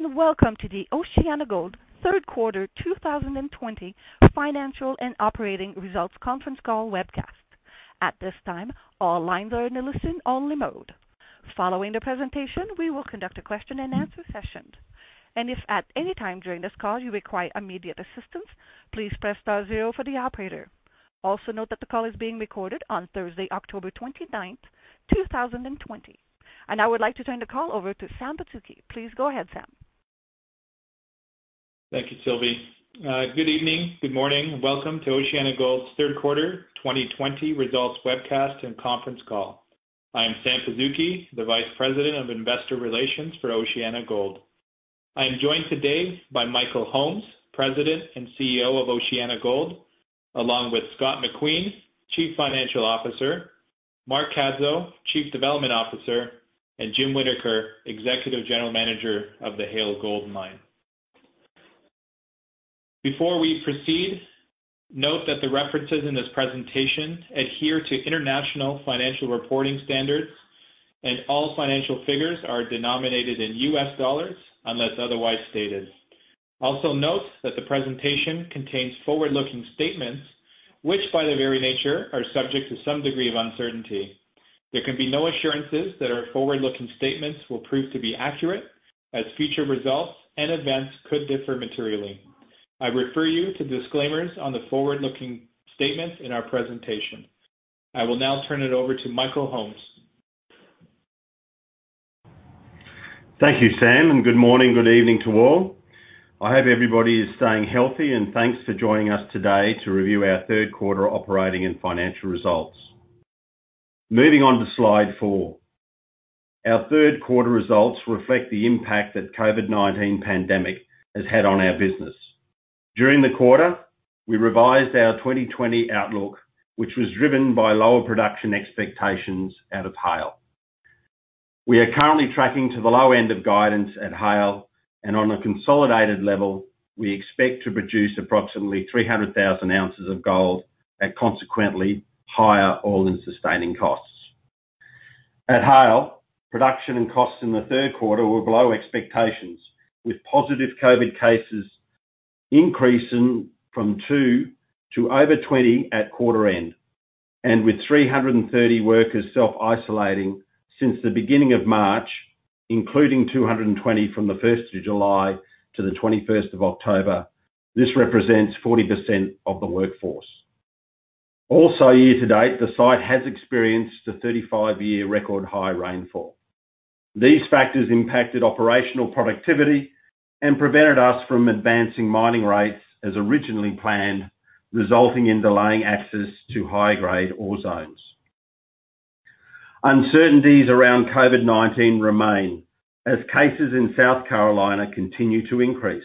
Welcome to the OceanaGold third quarter 2020 financial and operating results conference call webcast. At this time, all lines are in a listen-only mode. Following the presentation, we will conduct a question and answer session. If at any time during this call you require immediate assistance, please press star zero for the Operator. Also note that the call is being recorded on Thursday, October 29th, 2020. I would like to turn the call over to Sam Pazuki. Please go ahead, Sam. Thank you, Sylvie. Good evening, good morning. Welcome to OceanaGold's third quarter 2020 results webcast and conference call. I am Sam Pazuki, the Vice President of Investor Relations for OceanaGold. I am joined today by Michael Holmes, President and CEO of OceanaGold, along with Scott McQueen, Chief Financial Officer, Mark Cadzow, Chief Development Officer, and Jim Whittaker, Executive General Manager of the Haile Gold Mine. Before we proceed, note that the references in this presentation adhere to International Financial Reporting Standards and all financial figures are denominated in U.S. dollars unless otherwise stated. Also note that the presentation contains forward-looking statements which, by their very nature, are subject to some degree of uncertainty. There can be no assurances that our forward-looking statements will prove to be accurate, as future results and events could differ materially. I refer you to the disclaimers on the forward-looking statements in our presentation. I will now turn it over to Michael Holmes. Thank you, Sam. Good morning, good evening to all. I hope everybody is staying healthy. Thanks for joining us today to review our third quarter operating and financial results. Moving on to slide four. Our third quarter results reflect the impact that COVID-19 pandemic has had on our business. During the quarter, we revised our 2020 outlook, which was driven by lower production expectations out of Haile. We are currently tracking to the low end of guidance at Haile, and on a consolidated level, we expect to produce approximately 300,000 oz of gold at consequently higher all-in sustaining costs. At Haile, production and costs in the third quarter were below expectations, with positive COVID cases increasing from two to over 20 at quarter end. With 330 workers self-isolating since the beginning of March, including 220 from the 1st of July to the 21st of October, this represents 40% of the workforce. Year to date, the site has experienced a 35-year record high rainfall. These factors impacted operational productivity and prevented us from advancing mining rates as originally planned, resulting in delaying access to high-grade ore zones. Uncertainties around COVID-19 remain as cases in South Carolina continue to increase.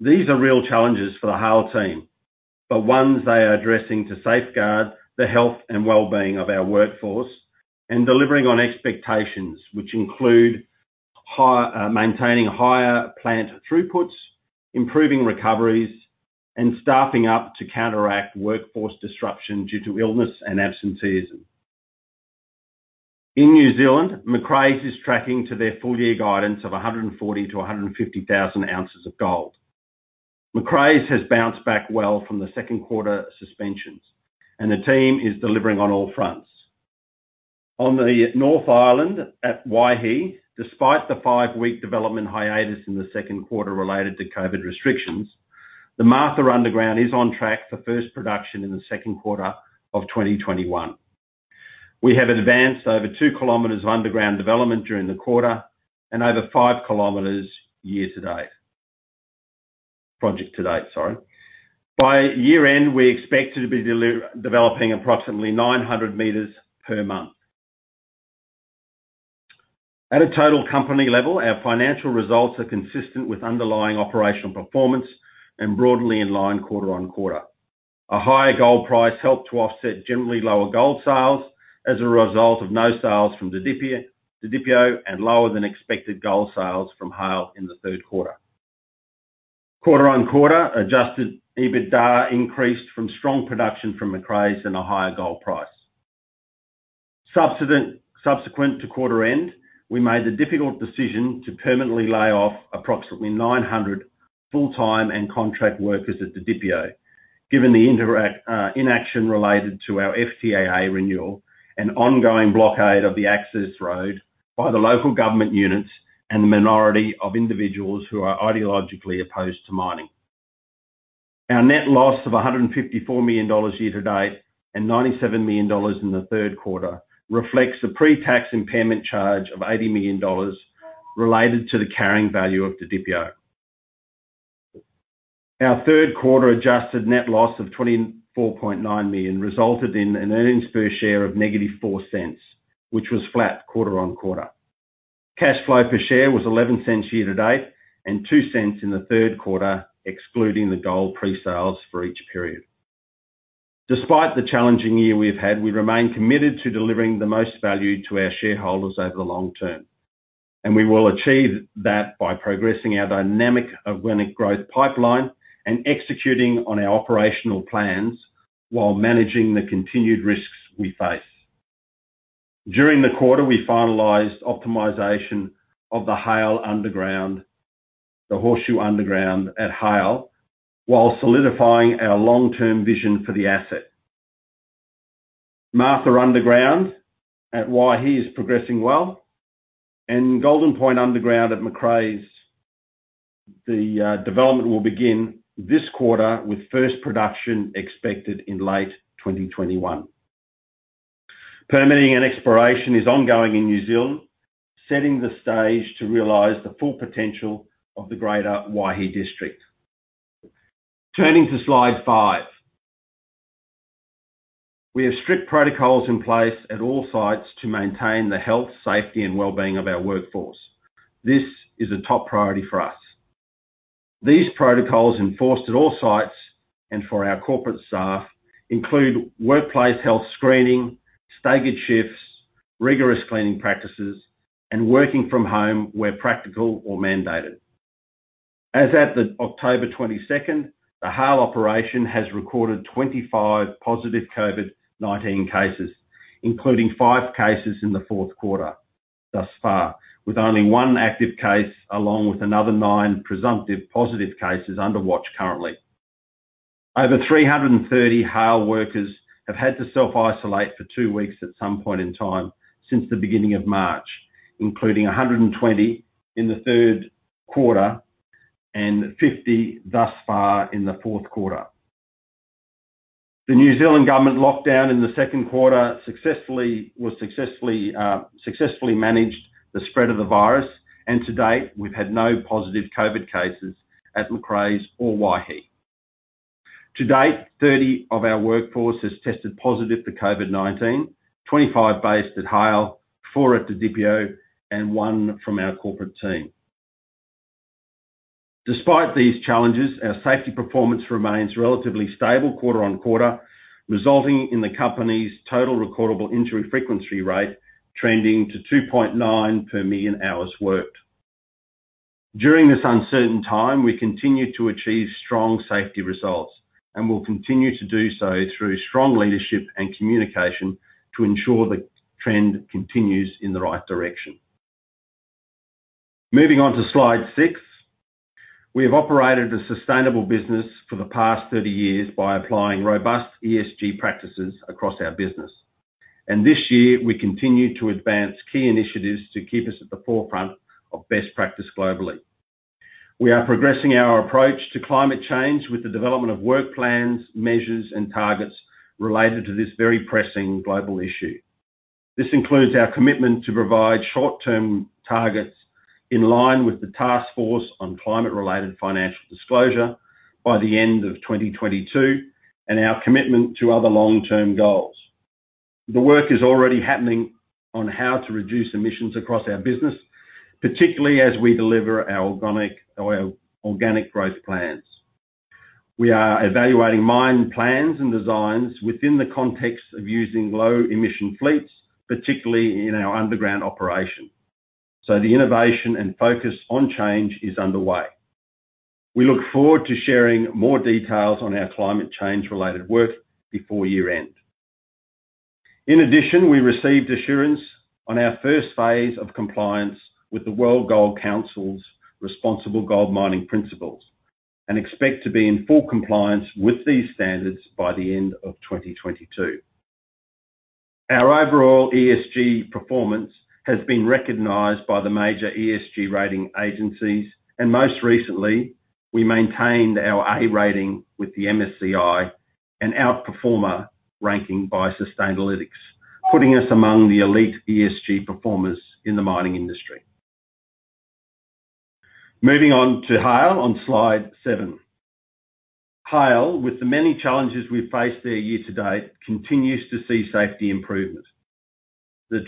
These are real challenges for the Haile team, but ones they are addressing to safeguard the health and wellbeing of our workforce and delivering on expectations, which include maintaining higher plant throughputs, improving recoveries, and staffing up to counteract workforce disruption due to illness and absenteeism. In New Zealand, Macraes is tracking to their full year guidance of 140,000-150,000 oz of gold. Macraes has bounced back well from the second quarter suspensions, and the team is delivering on all fronts. On the North Island at Waihi, despite the five-week development hiatus in the second quarter related to COVID restrictions, the Martha Underground is on track for first production in the second quarter of 2021. We have advanced over 2 km of underground development during the quarter and over 5 km year to date. Project to date, sorry. By year-end, we expect to be developing approximately 900 m per month. At a total company level, our financial results are consistent with underlying operational performance and broadly in line quarter-on-quarter. A higher gold price helped to offset generally lower gold sales as a result of no sales from Didipio, and lower than expected gold sales from Haile in the third quarter. Quarter-on-quarter, adjusted EBITDA increased from strong production from Macraes and a higher gold price. Subsequent to quarter end, we made the difficult decision to permanently lay off approximately 900 full-time and contract workers at Didipio, given the inaction related to our FTAA renewal and ongoing blockade of the access road by the local government units and the minority of individuals who are ideologically opposed to mining. Our net loss of $154 million year-to-date, and $97 million in the third quarter, reflects the pre-tax impairment charge of $80 million related to the carrying value of Didipio. Our third quarter adjusted net loss of $24.9 million resulted in an earnings per share of negative $0.04, which was flat quarter-on-quarter. Cash flow per share was $0.11 year to date and $0.02 in the third quarter, excluding the gold pre-sales for each period. Despite the challenging year we've had, we remain committed to delivering the most value to our shareholders over the long term, and we will achieve that by progressing our dynamic organic growth pipeline and executing on our operational plans while managing the continued risks we face. During the quarter, we finalized optimization of the Horseshoe Underground at Haile, while solidifying our long-term vision for the asset. Martha Underground at Waihi is progressing well, and Frasers Underground at Macraes, the development will begin this quarter with first production expected in late 2021. Permitting and exploration is ongoing in New Zealand, setting the stage to realize the full potential of the greater Waihi district. Turning to slide five. We have strict protocols in place at all sites to maintain the health, safety, and wellbeing of our workforce. This is a top priority for us. These protocols enforced at all sites, and for our corporate staff, include workplace health screening, staggered shifts, rigorous cleaning practices, and working from home where practical or mandated. As at the October 22nd, the Haile operation has recorded 25 positive COVID-19 cases, including five cases in the fourth quarter thus far, with only one active case, along with another nine presumptive positive cases under watch currently. Over 330 Haile workers have had to self-isolate for two weeks at some point in time since the beginning of March, including 120 in the third quarter and 50 thus far in the fourth quarter. The New Zealand government lockdown in the second quarter successfully managed the spread of the virus, and to date, we've had no positive COVID cases at Macraes or Waihi. To date, 30 of our workforce has tested positive for COVID-19, 25 based at Haile, four at Didipio, and one from our corporate team. Despite these challenges, our safety performance remains relatively stable quarter-on-quarter, resulting in the company's total recordable injury frequency rate trending to 2.9 per million hours worked. During this uncertain time, we continued to achieve strong safety results and will continue to do so through strong leadership and communication to ensure the trend continues in the right direction. Moving on to slide six. We have operated a sustainable business for the past 30 years by applying robust ESG practices across our business, this year we continue to advance key initiatives to keep us at the forefront of best practice globally. We are progressing our approach to climate change with the development of work plans, measures, and targets related to this very pressing global issue. This includes our commitment to provide short-term targets in line with the Task Force on Climate-related Financial Disclosures by the end of 2022 and our commitment to other long-term goals. The work is already happening on how to reduce emissions across our business, particularly as we deliver our organic growth plans. We are evaluating mine plans and designs within the context of using low-emission fleets, particularly in our underground operation. The innovation and focus on change is underway. We look forward to sharing more details on our climate change-related work before year-end. In addition, we received assurance on our first phase of compliance with the World Gold Council's Responsible Gold Mining Principles and expect to be in full compliance with these standards by the end of 2022. Our overall ESG performance has been recognized by the major ESG rating agencies, and most recently, we maintained our A rating with the MSCI, an outperformer ranking by Sustainalytics, putting us among the elite ESG performers in the mining industry. Moving on to Haile on slide seven. Haile, with the many challenges we faced there year to date, continues to see safety improvement. The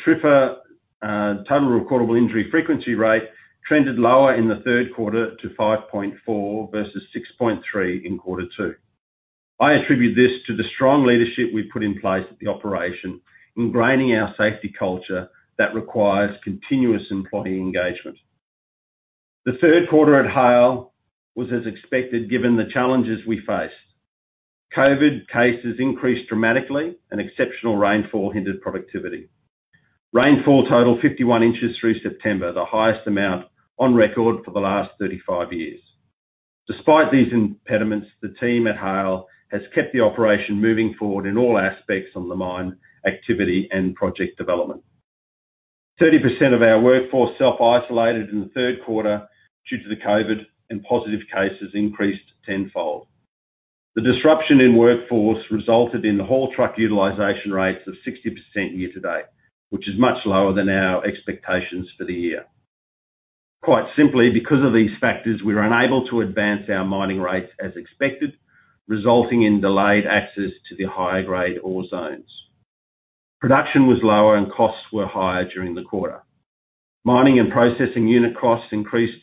total recordable injury frequency rate trended lower in the third quarter to 5.4 versus 6.3 in quarter two. I attribute this to the strong leadership we've put in place at the operation, ingraining our safety culture that requires continuous employee engagement. The third quarter at Haile was as expected, given the challenges we faced. COVID cases increased dramatically and exceptional rainfall hindered productivity. Rainfall totaled 51 in through September, the highest amount on record for the last 35 years. Despite these impediments, the team at Haile has kept the operation moving forward in all aspects on the mine activity and project development. 30% of our workforce self-isolated in the third quarter due to the COVID, and positive cases increased tenfold. The disruption in workforce resulted in the haul truck utilization rates of 60% year to date, which is much lower than our expectations for the year. Quite simply, because of these factors, we were unable to advance our mining rates as expected, resulting in delayed access to the higher-grade ore zones. Production was lower, and costs were higher during the quarter. Mining and processing unit costs increased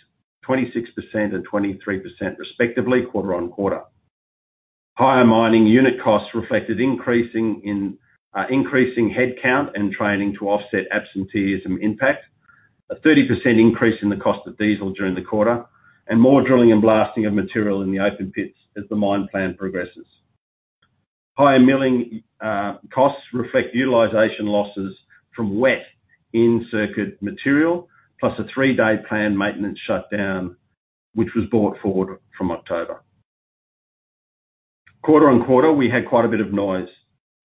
26% and 23% respectively, quarter-on-quarter. Higher mining unit costs reflected increasing headcount and training to offset absenteeism impact. A 30% increase in the cost of diesel during the quarter, and more drilling and blasting of material in the open pits as the mine plan progresses. Higher milling costs reflect utilization losses from wet in-circuit material, plus a three-day planned maintenance shutdown, which was brought forward from October. Quarter-on-quarter, we had quite a bit of noise,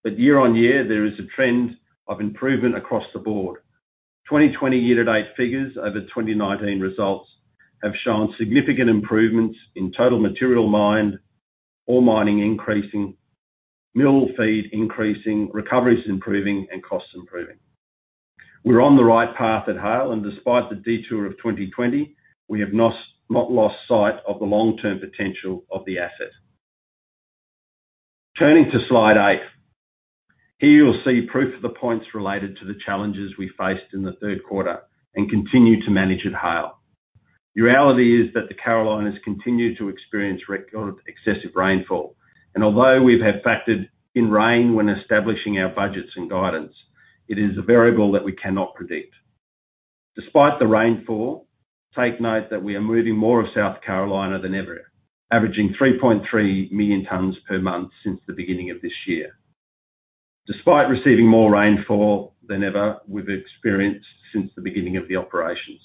but year-on-year, there is a trend of improvement across the board. 2020 year-to-date figures over 2019 results have shown significant improvements in total material mined, ore mining increasing, mill feed increasing, recoveries improving, and costs improving. We're on the right path at Haile, and despite the detour of 2020, we have not lost sight of the long-term potential of the asset. Turning to slide eight. Here you will see proof of the points related to the challenges we faced in the third quarter and continue to manage at Haile. The reality is that the Carolinas continue to experience excessive rainfall, and although we've had factored in rain when establishing our budgets and guidance, it is a variable that we cannot predict. Despite the rainfall, take note that we are moving more of South Carolina than ever, averaging 3.3 million tonnes per month since the beginning of this year. Despite receiving more rainfall than ever, we've experienced since the beginning of the operations.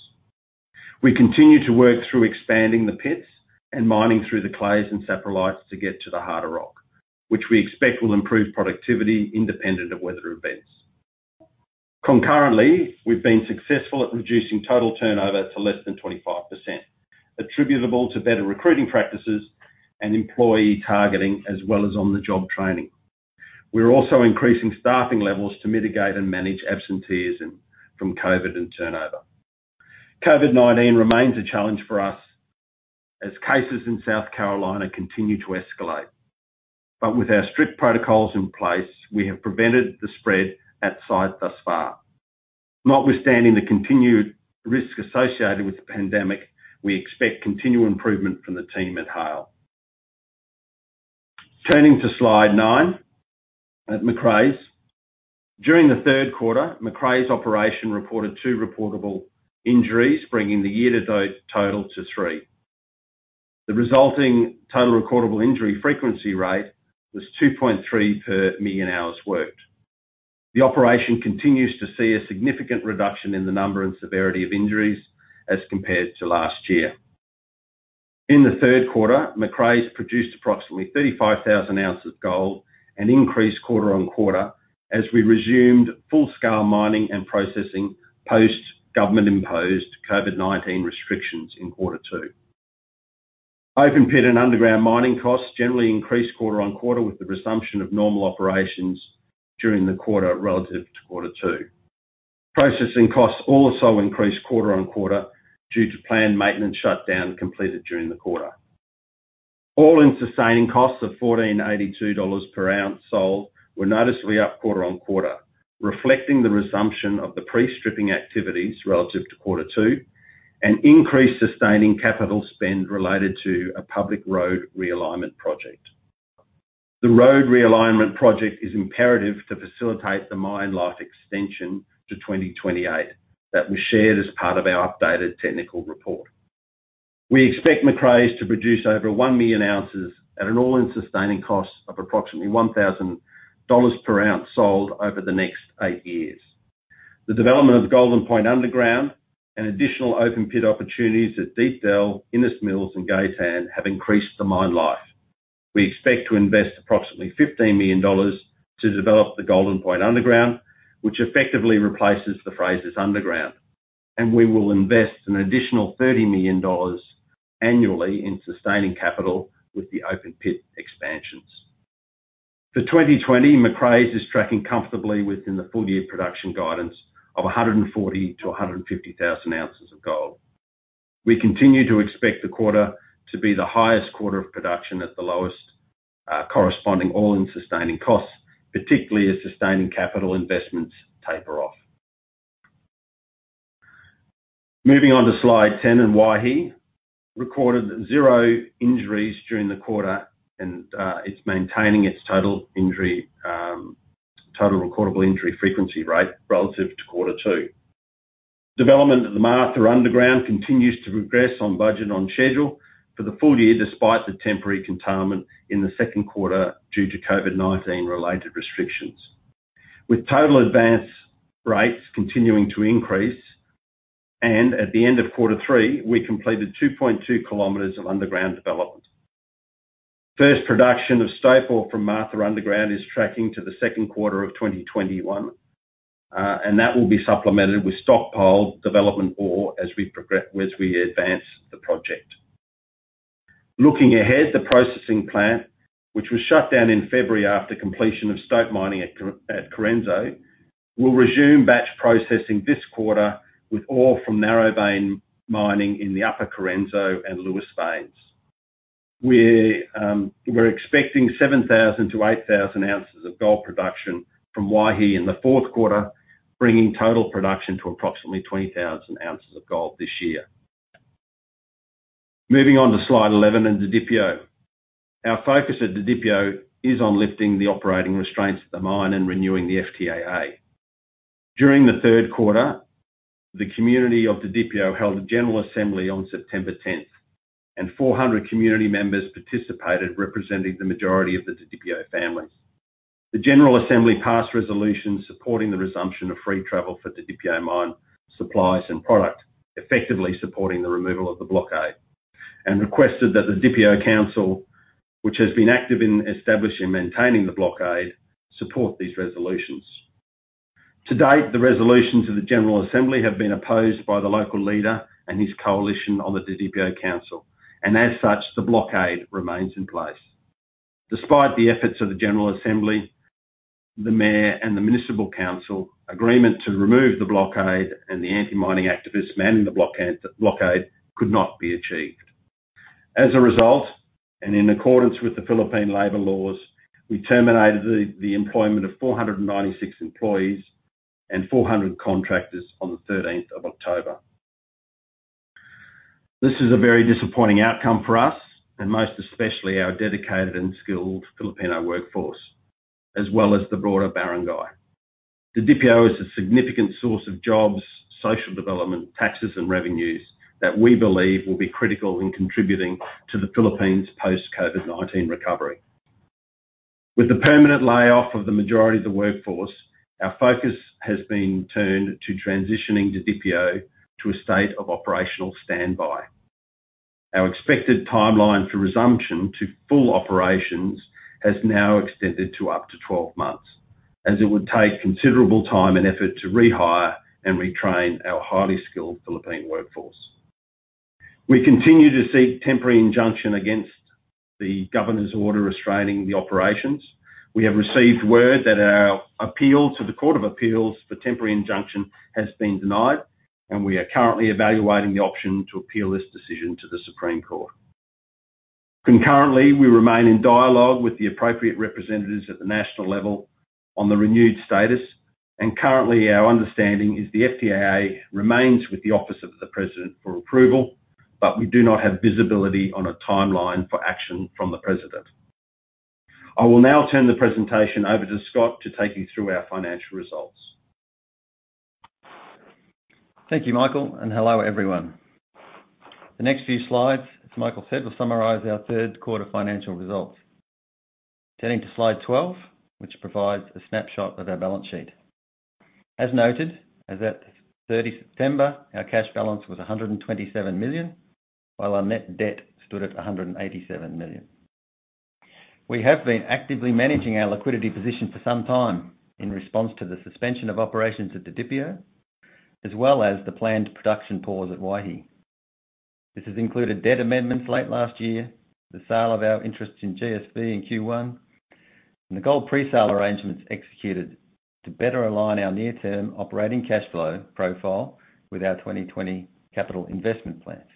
We continue to work through expanding the pits and mining through the clays and saprolites to get to the harder rock, which we expect will improve productivity independent of weather events. We've been successful at reducing total turnover to less than 25%, attributable to better recruiting practices and employee targeting, as well as on-the-job training. We're also increasing staffing levels to mitigate and manage absenteeism from COVID and turnover. COVID-19 remains a challenge for us as cases in South Carolina continue to escalate. With our strict protocols in place, we have prevented the spread at site thus far. Notwithstanding the continued risk associated with the pandemic, we expect continued improvement from the team at Haile. Turning to slide nine at Macraes. During the third quarter, Macraes Operation reported two reportable injuries, bringing the year-to-date total to three. The resulting total recordable injury frequency rate was 2.3 per million hours worked. The operation continues to see a significant reduction in the number and severity of injuries as compared to last year. In the third quarter, Macraes produced approximately 35,000 oz of gold and increased quarter-on-quarter as we resumed full-scale mining and processing post-government imposed COVID-19 restrictions in quarter two. Open pit and underground mining costs generally increased quarter-on-quarter with the resumption of normal operations during the quarter relative to quarter two. Processing costs also increased quarter-on-quarter due to planned maintenance shutdown completed during the quarter. all-in sustaining costs of $1,482 per oz sold were noticeably up quarter-on-quarter, reflecting the resumption of the pre-stripping activities relative to quarter two and increased sustaining capital spend related to a public road realignment project. The road realignment project is imperative to facilitate the mine life extension to 2028 that we shared as part of our updated technical report. We expect Macraes to produce over 1 million oz at an all-in sustaining costs of approximately $1,000 per oz sold over the next eight years. The development of Golden Point Underground and additional open pit opportunities at Deep Dell, Innes Mills, and [Gay-Tan] have increased the mine life. We expect to invest approximately $15 million to develop the Golden Point Underground, which effectively replaces the Frasers Underground. We will invest an additional $30 million annually in sustaining capital with the open pit expansions. For 2020, Macraes is tracking comfortably within the full-year production guidance of 140,000-150,000 oz of gold. We continue to expect the quarter to be the highest quarter of production at the lowest corresponding all-in sustaining costs, particularly as sustaining capital investments taper off. Moving on to slide 10 and Waihi. Recorded zero injuries during the quarter, and it's maintaining its total recordable injury frequency rate relative to quarter two. Development of the Martha Underground continues to progress on budget and on schedule for the full year, despite the temporary curtailment in the second quarter due to COVID-19 related restrictions. With total advance rates continuing to increase, and at the end of quarter three, we completed 2.2 km of underground development. First production of stope ore from Martha Underground is tracking to the second quarter of 2021, and that will be supplemented with stockpiled development ore as we advance the project. Looking ahead, the processing plant, which was shut down in February after completion of stope mining at Correnso, will resume batch processing this quarter with ore from narrow vein mining in the Upper Correnso and Lewis veins. We're expecting 7,000-8,000 oz of gold production from Waihi in the fourth quarter, bringing total production to approximately 20,000 oz of gold this year. Moving on to slide 11 and Didipio. Our focus at Didipio is on lifting the operating restraints at the mine and renewing the FTAA. During the third quarter, the community of Didipio held a General Assembly on September 10th, and 400 community members participated, representing the majority of the Didipio families. The General Assembly passed resolutions supporting the resumption of free travel for Didipio mine supplies and product, effectively supporting the removal of the blockade, and requested that Didipio Council, which has been active in establishing and maintaining the blockade, support these resolutions. To date, the resolutions of the General Assembly have been opposed by the local leader and his coalition on the Didipio Council, and as such, the blockade remains in place. Despite the efforts of the General Assembly, the mayor and the municipal council agreement to remove the blockade and the anti-mining activists manning the blockade could not be achieved. As a result, and in accordance with the Philippine labor laws, we terminated the employment of 496 employees and 400 contractors on the 13th of October. This is a very disappointing outcome for us, and most especially our dedicated and skilled Filipino workforce, as well as the broader barangay. Didipio is a significant source of jobs, social development, taxes, and revenues that we believe will be critical in contributing to the Philippines' post-COVID-19 recovery. With the permanent layoff of the majority of the workforce, our focus has been turned to transitioning Didipio to a state of operational standby. Our expected timeline for resumption to full operations has now extended to up to 12 months, as it would take considerable time and effort to rehire and retrain our highly skilled Philippine workforce. We continue to seek temporary injunction against the governor's order restraining the operations. We have received word that our appeal to the Court of Appeals for temporary injunction has been denied, and we are currently evaluating the option to appeal this decision to the Supreme Court. Concurrently, we remain in dialogue with the appropriate representatives at the national level on the renewed status, and currently, our understanding is the FTAA remains with the Office of the President for approval, but we do not have visibility on a timeline for action from the President. I will now turn the presentation over to Scott to take you through our financial results. Thank you, Michael, and hello, everyone. The next few slides, as Michael said, will summarize our third quarter financial results. Turning to slide 12, which provides a snapshot of our balance sheet. As noted, as at 30 September, our cash balance was $127 million, while our net debt stood at $187 million. We have been actively managing our liquidity position for some time in response to the suspension of operations at Didipio, as well as the planned production pause at Waihi. This has included debt amendments late last year, the sale of our interest in GSV in Q1, and the gold pre-sale arrangements executed to better align our near-term operating cash flow profile with our 2020 capital investment plans.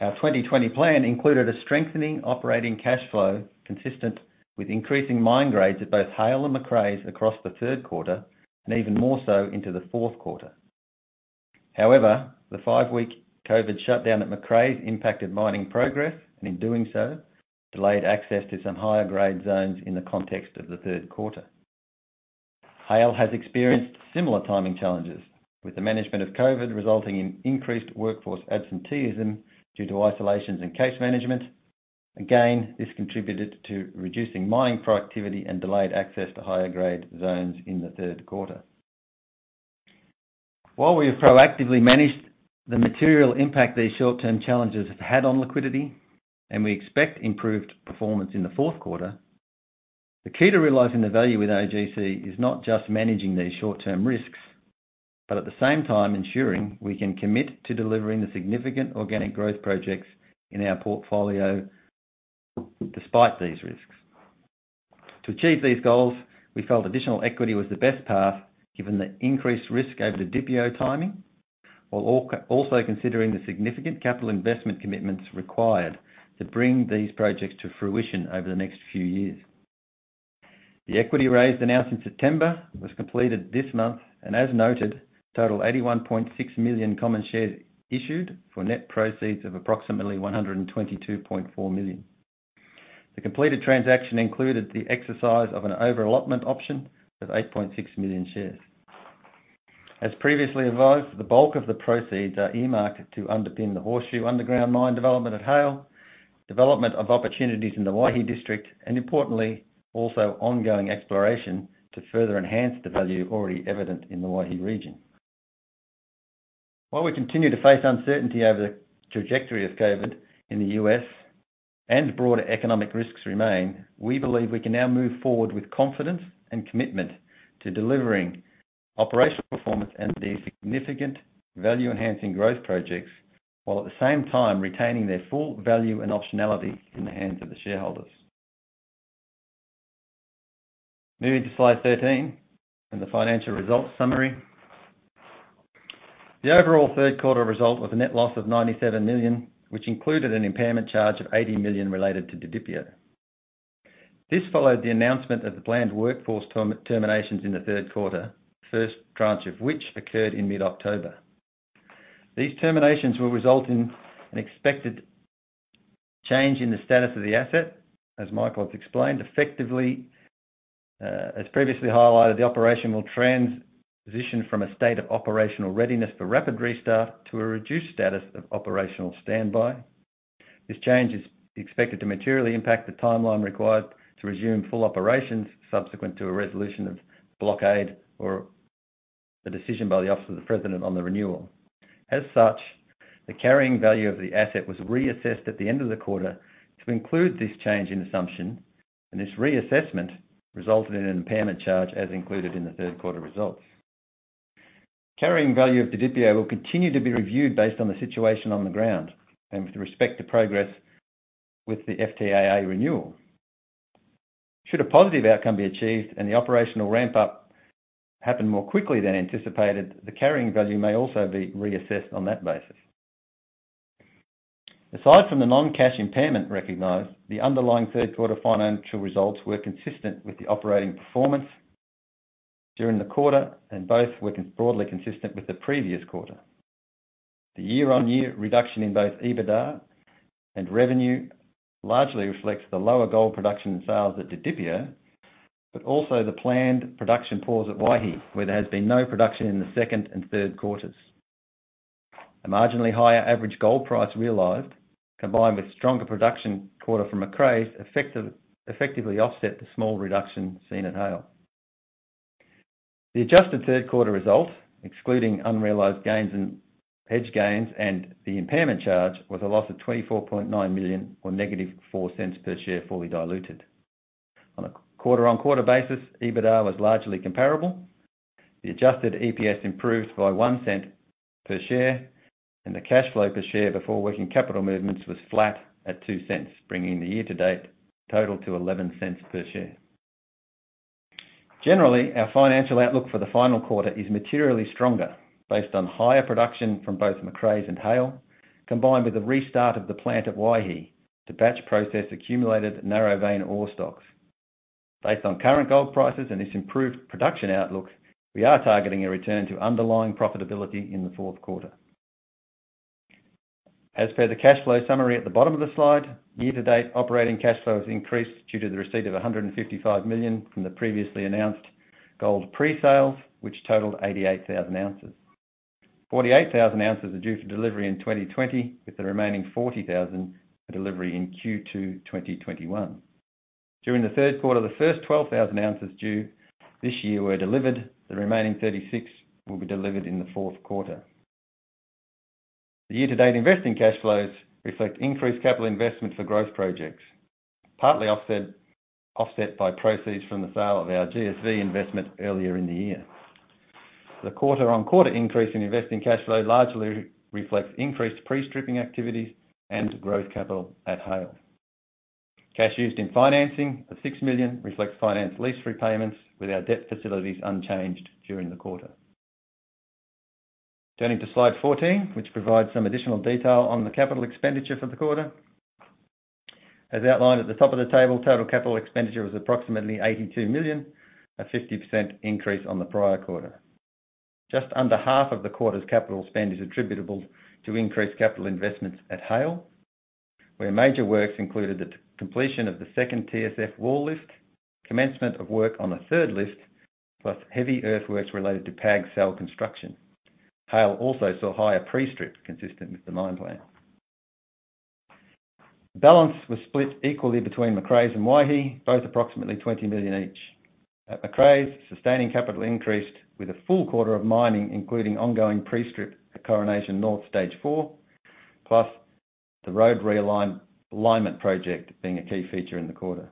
Our 2020 plan included a strengthening operating cash flow consistent with increasing mine grades at both Haile and Macraes across the third quarter, and even more so into the fourth quarter. However, the five-week COVID shutdown at Macraes impacted mining progress, and in doing so, delayed access to some higher-grade zones in the context of the third quarter. Haile has experienced similar timing challenges, with the management of COVID resulting in increased workforce absenteeism due to isolations and case management. Again, this contributed to reducing mining productivity and delayed access to higher-grade zones in the third quarter. While we have proactively managed the material impact these short-term challenges have had on liquidity, and we expect improved performance in the fourth quarter, the key to realizing the value with OGC is not just managing these short-term risks, but at the same time ensuring we can commit to delivering the significant organic growth projects in our portfolio despite these risks. To achieve these goals, we felt additional equity was the best path given the increased risk over Didipio timing, while also considering the significant capital investment commitments required to bring these projects to fruition over the next few years. The equity raise announced in September was completed this month, and as noted, a total 81.6 million common shares issued for net proceeds of approximately $122.4 million. The completed transaction included the exercise of an overallotment option of 8.6 million shares. As previously advised, the bulk of the proceeds are earmarked to underpin the Horseshoe Underground mine development at Haile, development of opportunities in the Waihi District, and importantly, also ongoing exploration to further enhance the value already evident in the Waihi region. While we continue to face uncertainty over the trajectory of COVID in the U.S. and broader economic risks remain, we believe we can now move forward with confidence and commitment to delivering operational performance and these significant value-enhancing growth projects, while at the same time retaining their full value and optionality in the hands of the shareholders. Moving to slide 13 and the financial results summary. The overall third quarter result was a net loss of $97 million, which included an impairment charge of $80 million related to Didipio. This followed the announcement of the planned workforce terminations in the third quarter, first tranche of which occurred in mid-October. These terminations will result in an expected change in the status of the asset, as Michael has explained, effectively, as previously highlighted, the operation will transition from a state of operational readiness for rapid restart to a reduced status of operational standby. This change is expected to materially impact the timeline required to resume full operations subsequent to a resolution of blockade or a decision by the Office of the President on the renewal. The carrying value of the asset was reassessed at the end of the quarter to include this change in assumption, and this reassessment resulted in an impairment charge as included in the third quarter results. Carrying value of Didipio will continue to be reviewed based on the situation on the ground, and with respect to progress with the FTAA renewal. Should a positive outcome be achieved and the operational ramp-up happen more quickly than anticipated, the carrying value may also be reassessed on that basis. Aside from the non-cash impairment recognized, the underlying third quarter financial results were consistent with the operating performance during the quarter, and both were broadly consistent with the previous quarter. The year-on-year reduction in both EBITDA and revenue largely reflects the lower gold production and sales at Didipio, but also the planned production pause at Waihi, where there has been no production in the second and third quarters. A marginally higher average gold price realized, combined with stronger production quarter from Macraes, effectively offset the small reduction seen at Haile. The adjusted third quarter result, excluding unrealized gains and hedge gains, and the impairment charge, was a loss of $24.9 million, or negative $0.04 per share, fully diluted. On a quarter-on-quarter basis, EBITDA was largely comparable. The adjusted EPS improved by $0.01 per share, and the cash flow per share before working capital movements was flat at $0.02, bringing the year-to-date total to $0.11 per share. Generally, our financial outlook for the final quarter is materially stronger, based on higher production from both Macraes and Haile, combined with the restart of the plant at Waihi to batch process accumulated narrow vein ore stocks. Based on current gold prices and this improved production outlook, we are targeting a return to underlying profitability in the fourth quarter. As per the cash flow summary at the bottom of the slide, year to date operating cash flow has increased due to the receipt of $155 million from the previously announced gold pre-sales, which totaled 88,000 oz. 48,000 oz are due for delivery in 2020, with the remaining 40,000 for delivery in Q2 2021. During the third quarter, the first 12,000 oz due this year were delivered. The remaining 36,000 will be delivered in the fourth quarter. The year-to-date investing cash flows reflect increased capital investments for growth projects, partly offset by proceeds from the sale of our GSV investment earlier in the year. The quarter-on-quarter increase in investing cash flow largely reflects increased pre-stripping activities and growth capital at Haile. Cash used in financing of $6 million reflects finance lease repayments, with our debt facilities unchanged during the quarter. Turning to slide 14, which provides some additional detail on the capital expenditure for the quarter. As outlined at the top of the table, total capital expenditure was approximately $82 million, a 50% increase on the prior quarter. Just under half of the quarter's capital spend is attributable to increased capital investments at Haile, where major works included the completion of the second TSF Wall Lift, commencement of work on a third lift, plus heavy earthworks related to PAG cell construction. Haile also saw higher pre-strip consistent with the mine plan. The balance was split equally between Macraes and Waihi, both approximately $20 million each. At Macraes, sustaining capital increased with a full quarter of mining, including ongoing pre-strip at Coronation North Stage 4, plus the road realignment project being a key feature in the quarter.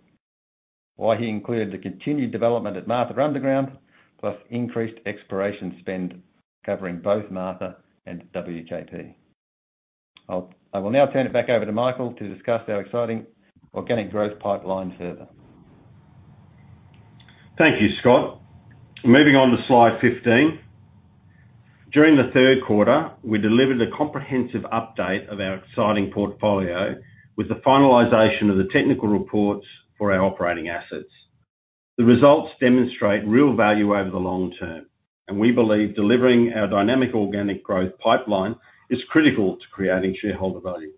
Waihi included the continued development at Martha Underground, plus increased exploration spend covering both Martha and WKP. I will now turn it back over to Michael to discuss our exciting organic growth pipeline further. Thank you, Scott. Moving on to slide 15. During the third quarter, we delivered a comprehensive update of our exciting portfolio with the finalization of the technical reports for our operating assets. The results demonstrate real value over the long term. We believe delivering our dynamic organic growth pipeline is critical to creating shareholder value.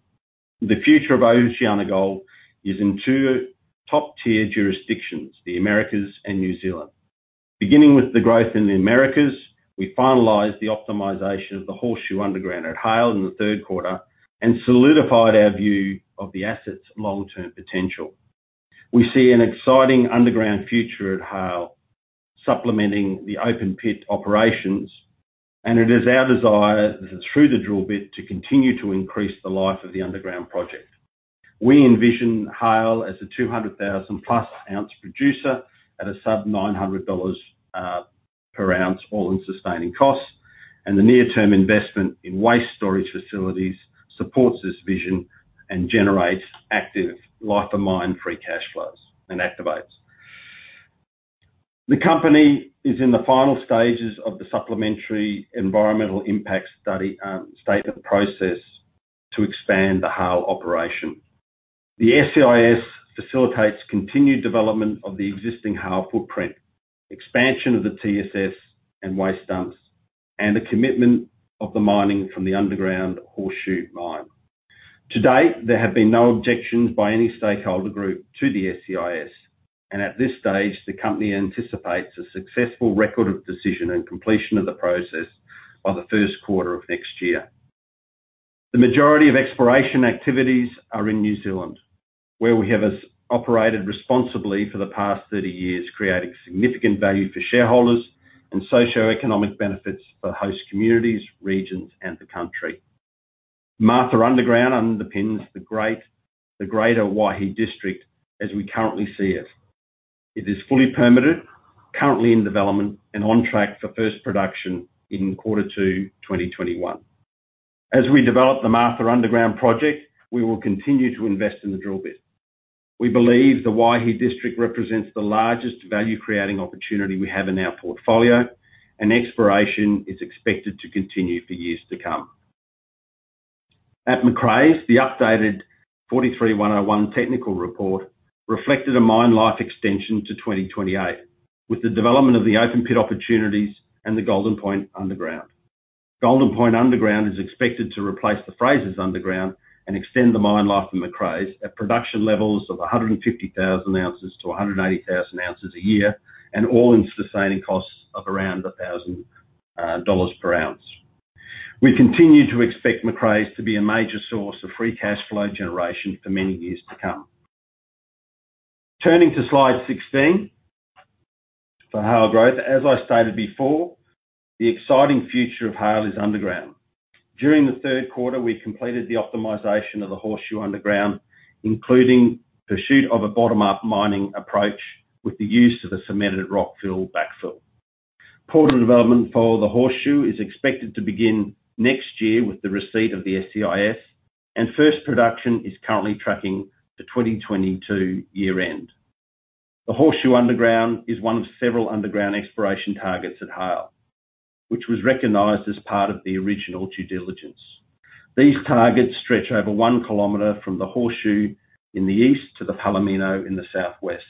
The future of OceanaGold is in two top-tier jurisdictions, the Americas and New Zealand. Beginning with the growth in the Americas, we finalized the optimization of the Horseshoe Underground at Haile in the third quarter and solidified our view of the asset's long-term potential. We see an exciting underground future at Haile, supplementing the open pit operations, and it is our desire through the drill bit to continue to increase the life of the underground project. We envision Haile as a 200,000+ oz producer at a sub $900 per oz, all-in sustaining cost. The near-term investment in waste storage facilities supports this vision and generates active life of mine free cash flows and [activates]. The company is in the final stages of the supplementary environmental impact statement process to expand the Haile operation. The SEIS facilitates continued development of the existing Haile footprint, expansion of the TSF and waste dumps, and a commitment of the mining from the underground Horseshoe mine. To date, there have been no objections by any stakeholder group to the SEIS, and at this stage, the company anticipates a successful record of decision and completion of the process by the first quarter of next year. The majority of exploration activities are in New Zealand, where we have operated responsibly for the past 30 years, creating significant value for shareholders and socioeconomic benefits for host communities, regions, and the country. Martha Underground underpins the greater Waihi district as we currently see it. It is fully permitted, currently in development, and on track for first production in quarter two 2021. As we develop the Martha Underground project, we will continue to invest in the drill bit. We believe the Waihi district represents the largest value-creating opportunity we have in our portfolio, and exploration is expected to continue for years to come. At Macraes, the updated 43-101 technical report reflected a mine life extension to 2028 with the development of the open pit opportunities and the Golden Point Underground. Golden Point Underground is expected to replace the Frasers Underground and extend the mine life in Macraes at production levels of 150,000 oz-180,000 oz a year, and all-in sustaining costs of around $1,000 per oz. We continue to expect Macraes to be a major source of free cash flow generation for many years to come. Turning to slide 16 for Haile growth. As I stated before, the exciting future of Haile is underground. During the third quarter, we completed the optimization of the Horseshoe Underground, including pursuit of a bottom-up mining approach with the use of a cemented rockfill backfill. Portal development for the Horseshoe is expected to begin next year with the receipt of the SEIS, and first production is currently tracking to 2022 year-end. The Horseshoe Underground is one of several underground exploration targets at Haile, which was recognized as part of the original due diligence. These targets stretch over one kilometer from the Horseshoe in the east to the Palomino in the southwest.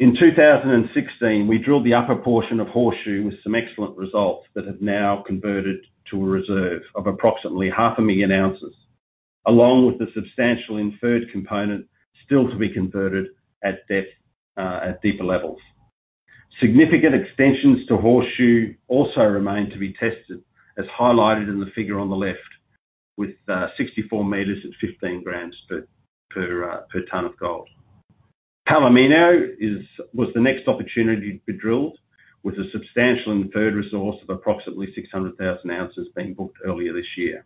In 2016, we drilled the upper portion of Horseshoe with some excellent results that have now converted to a reserve of approximately 500,000 oz, along with the substantial inferred component still to be converted at depth, at deeper levels. Significant extensions to Horseshoe also remain to be tested, as highlighted in the figure on the left, with 64 m at 15 g/t of gold. Palomino was the next opportunity to be drilled with a substantial inferred resource of approximately 600,000 oz being booked earlier this year.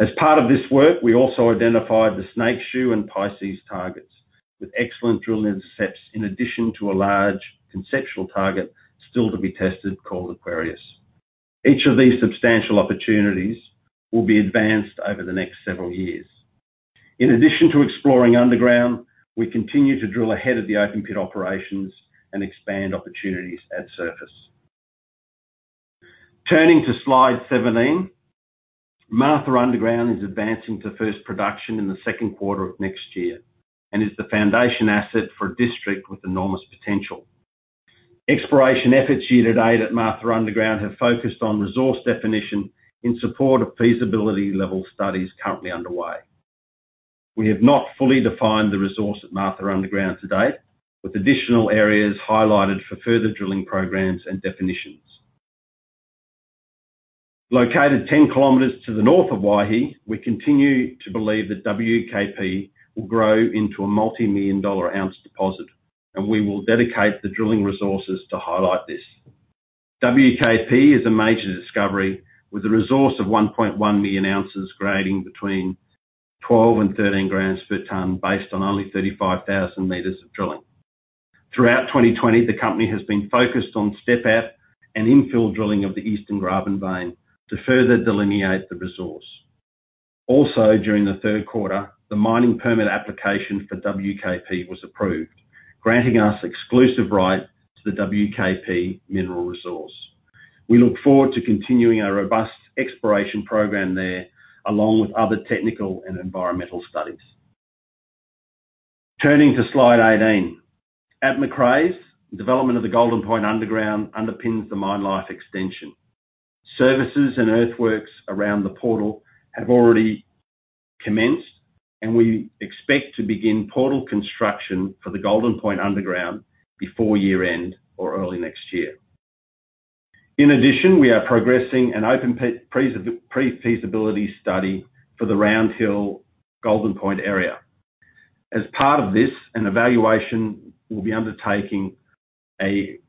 As part of this work, we also identified the Snakeshoe and Pisces targets, with excellent drilling intercepts in addition to a large conceptual target still to be tested called Aquarius. Each of these substantial opportunities will be advanced over the next several years. In addition to exploring underground, we continue to drill ahead of the open pit operations and expand opportunities at surface. Turning to slide 17. Martha Underground is advancing to first production in the second quarter of next year and is the foundation asset for a district with enormous potential. Exploration efforts year to date at Martha Underground have focused on resource definition in support of feasibility level studies currently underway. We have not fully defined the resource at Martha Underground to date, with additional areas highlighted for further drilling programs and definitions. Located 10 km to the north of Waihi, we continue to believe that WKP will grow into a multi-million dollar ounce deposit, and we will dedicate the drilling resources to highlight this. WKP is a major discovery with a resource of 1.1 million oz grading between 12 and 13 g/t based on only 35,000 m of drilling. Throughout 2020, the company has been focused on step out and infill drilling of the Eastern Graben vein to further delineate the resource. Also during the third quarter, the mining permit application for WKP was approved, granting us exclusive right to the WKP mineral resource. We look forward to continuing our robust exploration program there, along with other technical and environmental studies. Turning to slide 18. At Macraes, development of the Golden Point Underground underpins the mine life extension. Services and earthworks around the portal have already commenced, and we expect to begin portal construction for the Golden Point Underground before year-end or early next year. In addition, we are progressing an open pre-feasibility study for the Round Hill, Golden Point area. As part of this, an evaluation will be undertaking a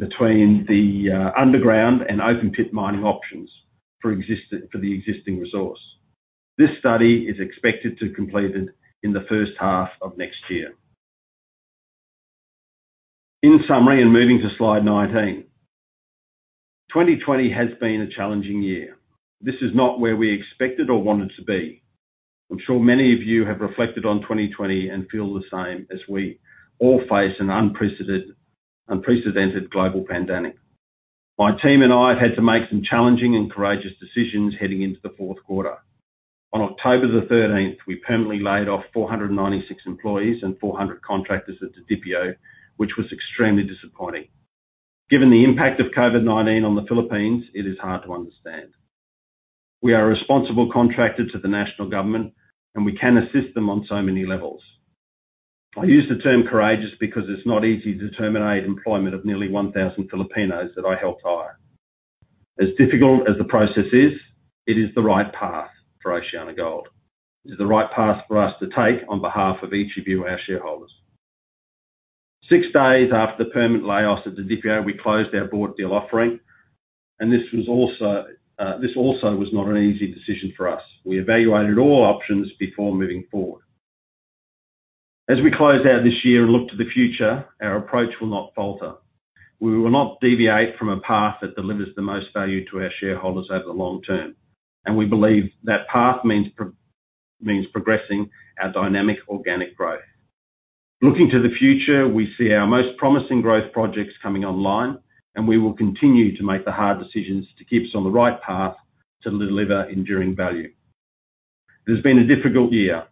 comparison between the underground and open pit mining options for the existing resource. This study is expected to be completed in the first half of next year. In summary, and moving to slide 19, 2020 has been a challenging year. This is not where we expected or wanted to be. I'm sure many of you have reflected on 2020 and feel the same, as we all face an unprecedented global pandemic. My team and I have had to make some challenging and courageous decisions heading into the fourth quarter. On October the 13th, we permanently laid off 496 employees and 400 contractors at the Didipio, which was extremely disappointing. Given the impact of COVID-19 on the Philippines, it is hard to understand. We are a responsible contractor to the national government, and we can assist them on so many levels. I use the term courageous because it's not easy to terminate employment of nearly 1,000 Filipinos that I helped hire. As difficult as the process is, it is the right path for OceanaGold. It is the right path for us to take on behalf of each of you, our shareholders. Six days after the permanent layoffs at the Didipio, we closed our bought deal offering. This also was not an easy decision for us. We evaluated all options before moving forward. As we close out this year and look to the future, our approach will not falter. We will not deviate from a path that delivers the most value to our shareholders over the long term, and we believe that path means progressing our dynamic organic growth. Looking to the future, we see our most promising growth projects coming online, and we will continue to make the hard decisions to keep us on the right path to deliver enduring value. It has been a difficult year.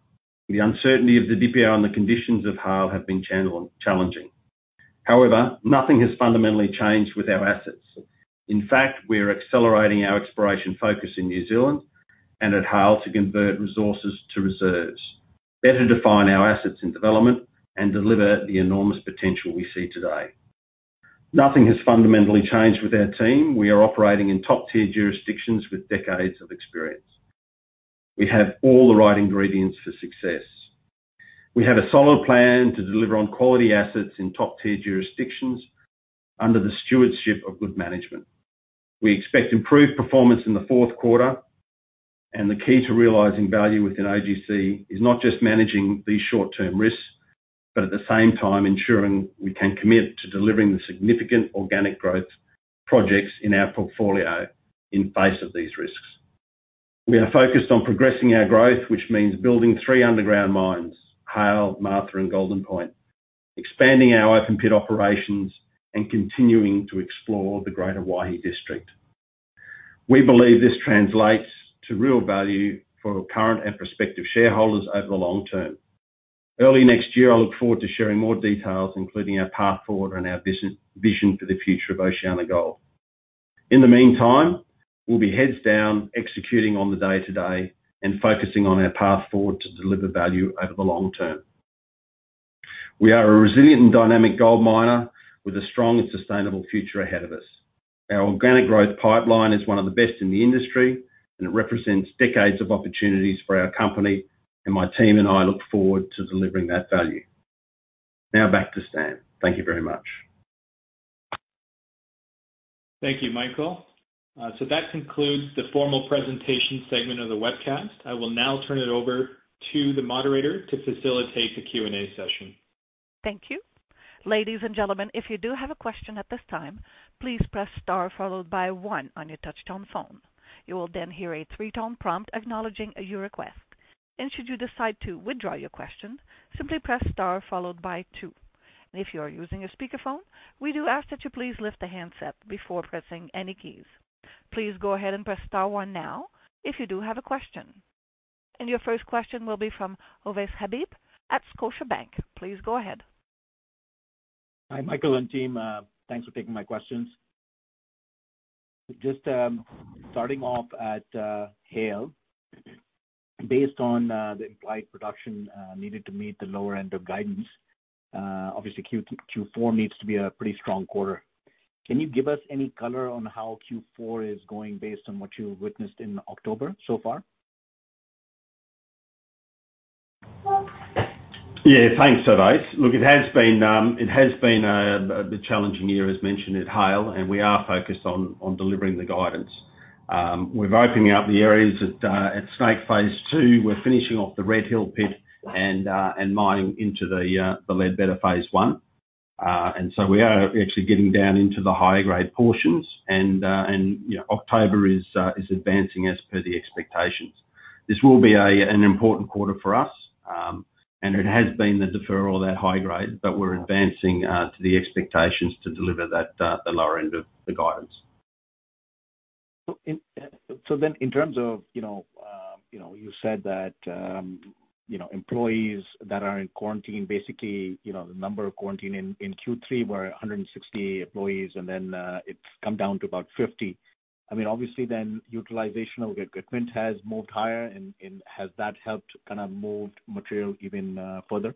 The uncertainty of Didipio and the conditions of Haile have been challenging. However, nothing has fundamentally changed with our assets. In fact, we are accelerating our exploration focus in New Zealand and at Haile to convert resources to reserves, better define our assets in development, and deliver the enormous potential we see today. Nothing has fundamentally changed with our team. We are operating in top-tier jurisdictions with decades of experience. We have all the right ingredients for success. We have a solid plan to deliver on quality assets in top-tier jurisdictions under the stewardship of good management. We expect improved performance in the fourth quarter. The key to realizing value within OGC is not just managing these short-term risks, but at the same time ensuring we can commit to delivering the significant organic growth projects in our portfolio in face of these risks. We are focused on progressing our growth, which means building three underground mines, Haile, Martha and Golden Point, expanding our open-pit operations, and continuing to explore the greater Waihi District. We believe this translates to real value for our current and prospective shareholders over the long term. Early next year, I look forward to sharing more details, including our path forward and our vision for the future of OceanaGold. In the meantime, we'll be heads down executing on the day-to-day and focusing on our path forward to deliver value over the long term. We are a resilient and dynamic gold miner with a strong and sustainable future ahead of us. Our organic growth pipeline is one of the best in the industry. It represents decades of opportunities for our company. My team and I look forward to delivering that value. Now back to Sam. Thank you very much. Thank you, Michael. That concludes the formal presentation segment of the webcast. I will now turn it over to the Operator to facilitate the Q&A session. Thank you. Ladies and gentlemen, if you do have a question at this time, please press star followed by one on your touchtone phone. You will then hear a three-tone prompt acknowledging your request. Should you decide to withdraw your question, simply press star followed by two. If you are using a speakerphone, we do ask that you please lift the handset before pressing any keys. Please go ahead and press star one now if you do have a question. Your first question will be from Ovais Habib at Scotiabank. Please go ahead. Hi, Michael and team. Thanks for taking my questions. Just starting off at Haile. Based on the implied production needed to meet the lower end of guidance, obviously Q4 needs to be a pretty strong quarter. Can you give us any color on how Q4 is going based on what you've witnessed in October so far? Thanks, Ovais. Look, it has been a bit challenging year, as mentioned, at Haile, and we are focused on delivering the guidance. We're opening up the areas at Snake Phase 2. We're finishing off the Red Hill pit and mining into the Ledbetter Phase 1. We are actually getting down into the higher grade portions. October is advancing as per the expectations. This will be an important quarter for us, and it has been the deferral, that high grade, but we're advancing to the expectations to deliver the lower end of the guidance. In terms of, you said that employees that are in quarantine, the number of quarantine in Q3 were 160 employees, and then it's come down to about 50. Obviously, then utilization of equipment has moved higher and has that helped kind of moved material even further?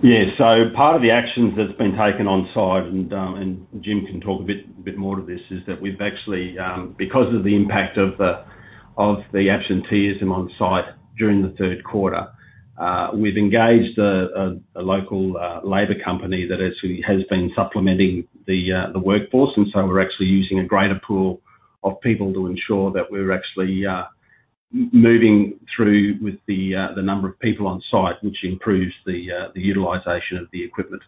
Part of the actions that's been taken on site, and Jim can talk a bit more to this, is that we've actually, because of the impact of the absenteeism on site during the third quarter, we've engaged a local labor company that actually has been supplementing the workforce, we're actually moving through with the number of people on site, which improves the utilization of the equipment.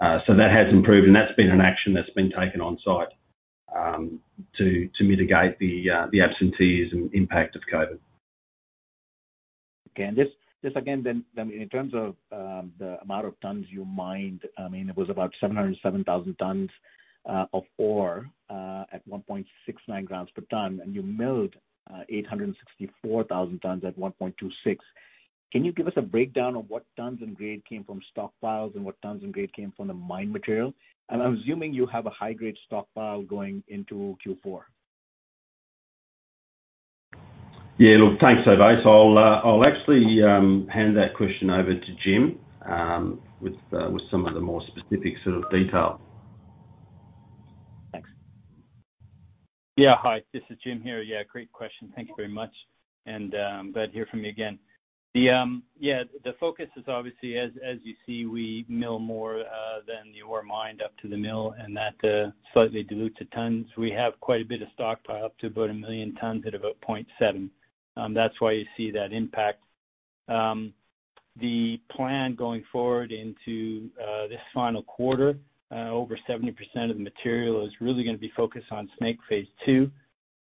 That has improved, and that's been an action that's been taken on site to mitigate the absenteeism and impact of COVID. Okay. Just again then, in terms of the amount of tonnes you mined, it was about 707,000 tonne of ore at 1.69 g/t, and you milled 864,000 tonne at 1.26. Can you give us a breakdown of what tonnes and grade came from stockpiles and what tonnes and grade came from the mined material? I'm assuming you have a high grade stockpile going into Q4. Yeah. Look, thanks, Ovais. I'll actually hand that question over to Jim with some of the more specific sort of detail. Yeah. Hi, this is Jim here. Yeah, great question. Thank you very much. Glad to hear from you again. The focus is obviously, as you see, we mill more than the ore mined up to the mill, and that slightly dilutes the tonnes. We have quite a bit of stockpile, up to about 1 million tonnes at about 0.7. That's why you see that impact. The plan going forward into this final quarter, over 70% of the material is really going to be focused on Snake Phase 2.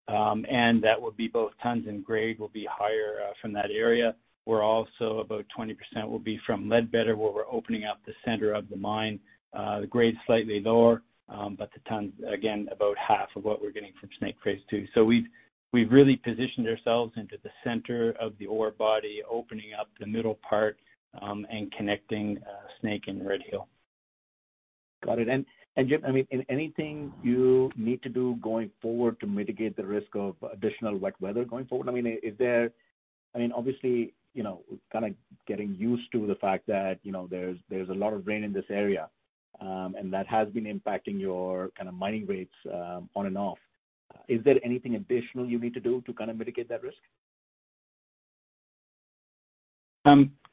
That will be both tonnes and grade will be higher from that area, where also about 20% will be from Ledbetter, where we're opening up the center of the mine. The grade's slightly lower, but the tonnes, again, about half of what we're getting from Snake Phase 2. We've really positioned ourselves into the center of the ore body, opening up the middle part, and connecting Snake and Red Hill. Got it. Jim, in anything you need to do going forward to mitigate the risk of additional wet weather going forward, obviously, kind of getting used to the fact that there's a lot of rain in this area, and that has been impacting your mining rates on and off, is there anything additional you need to do to mitigate that risk?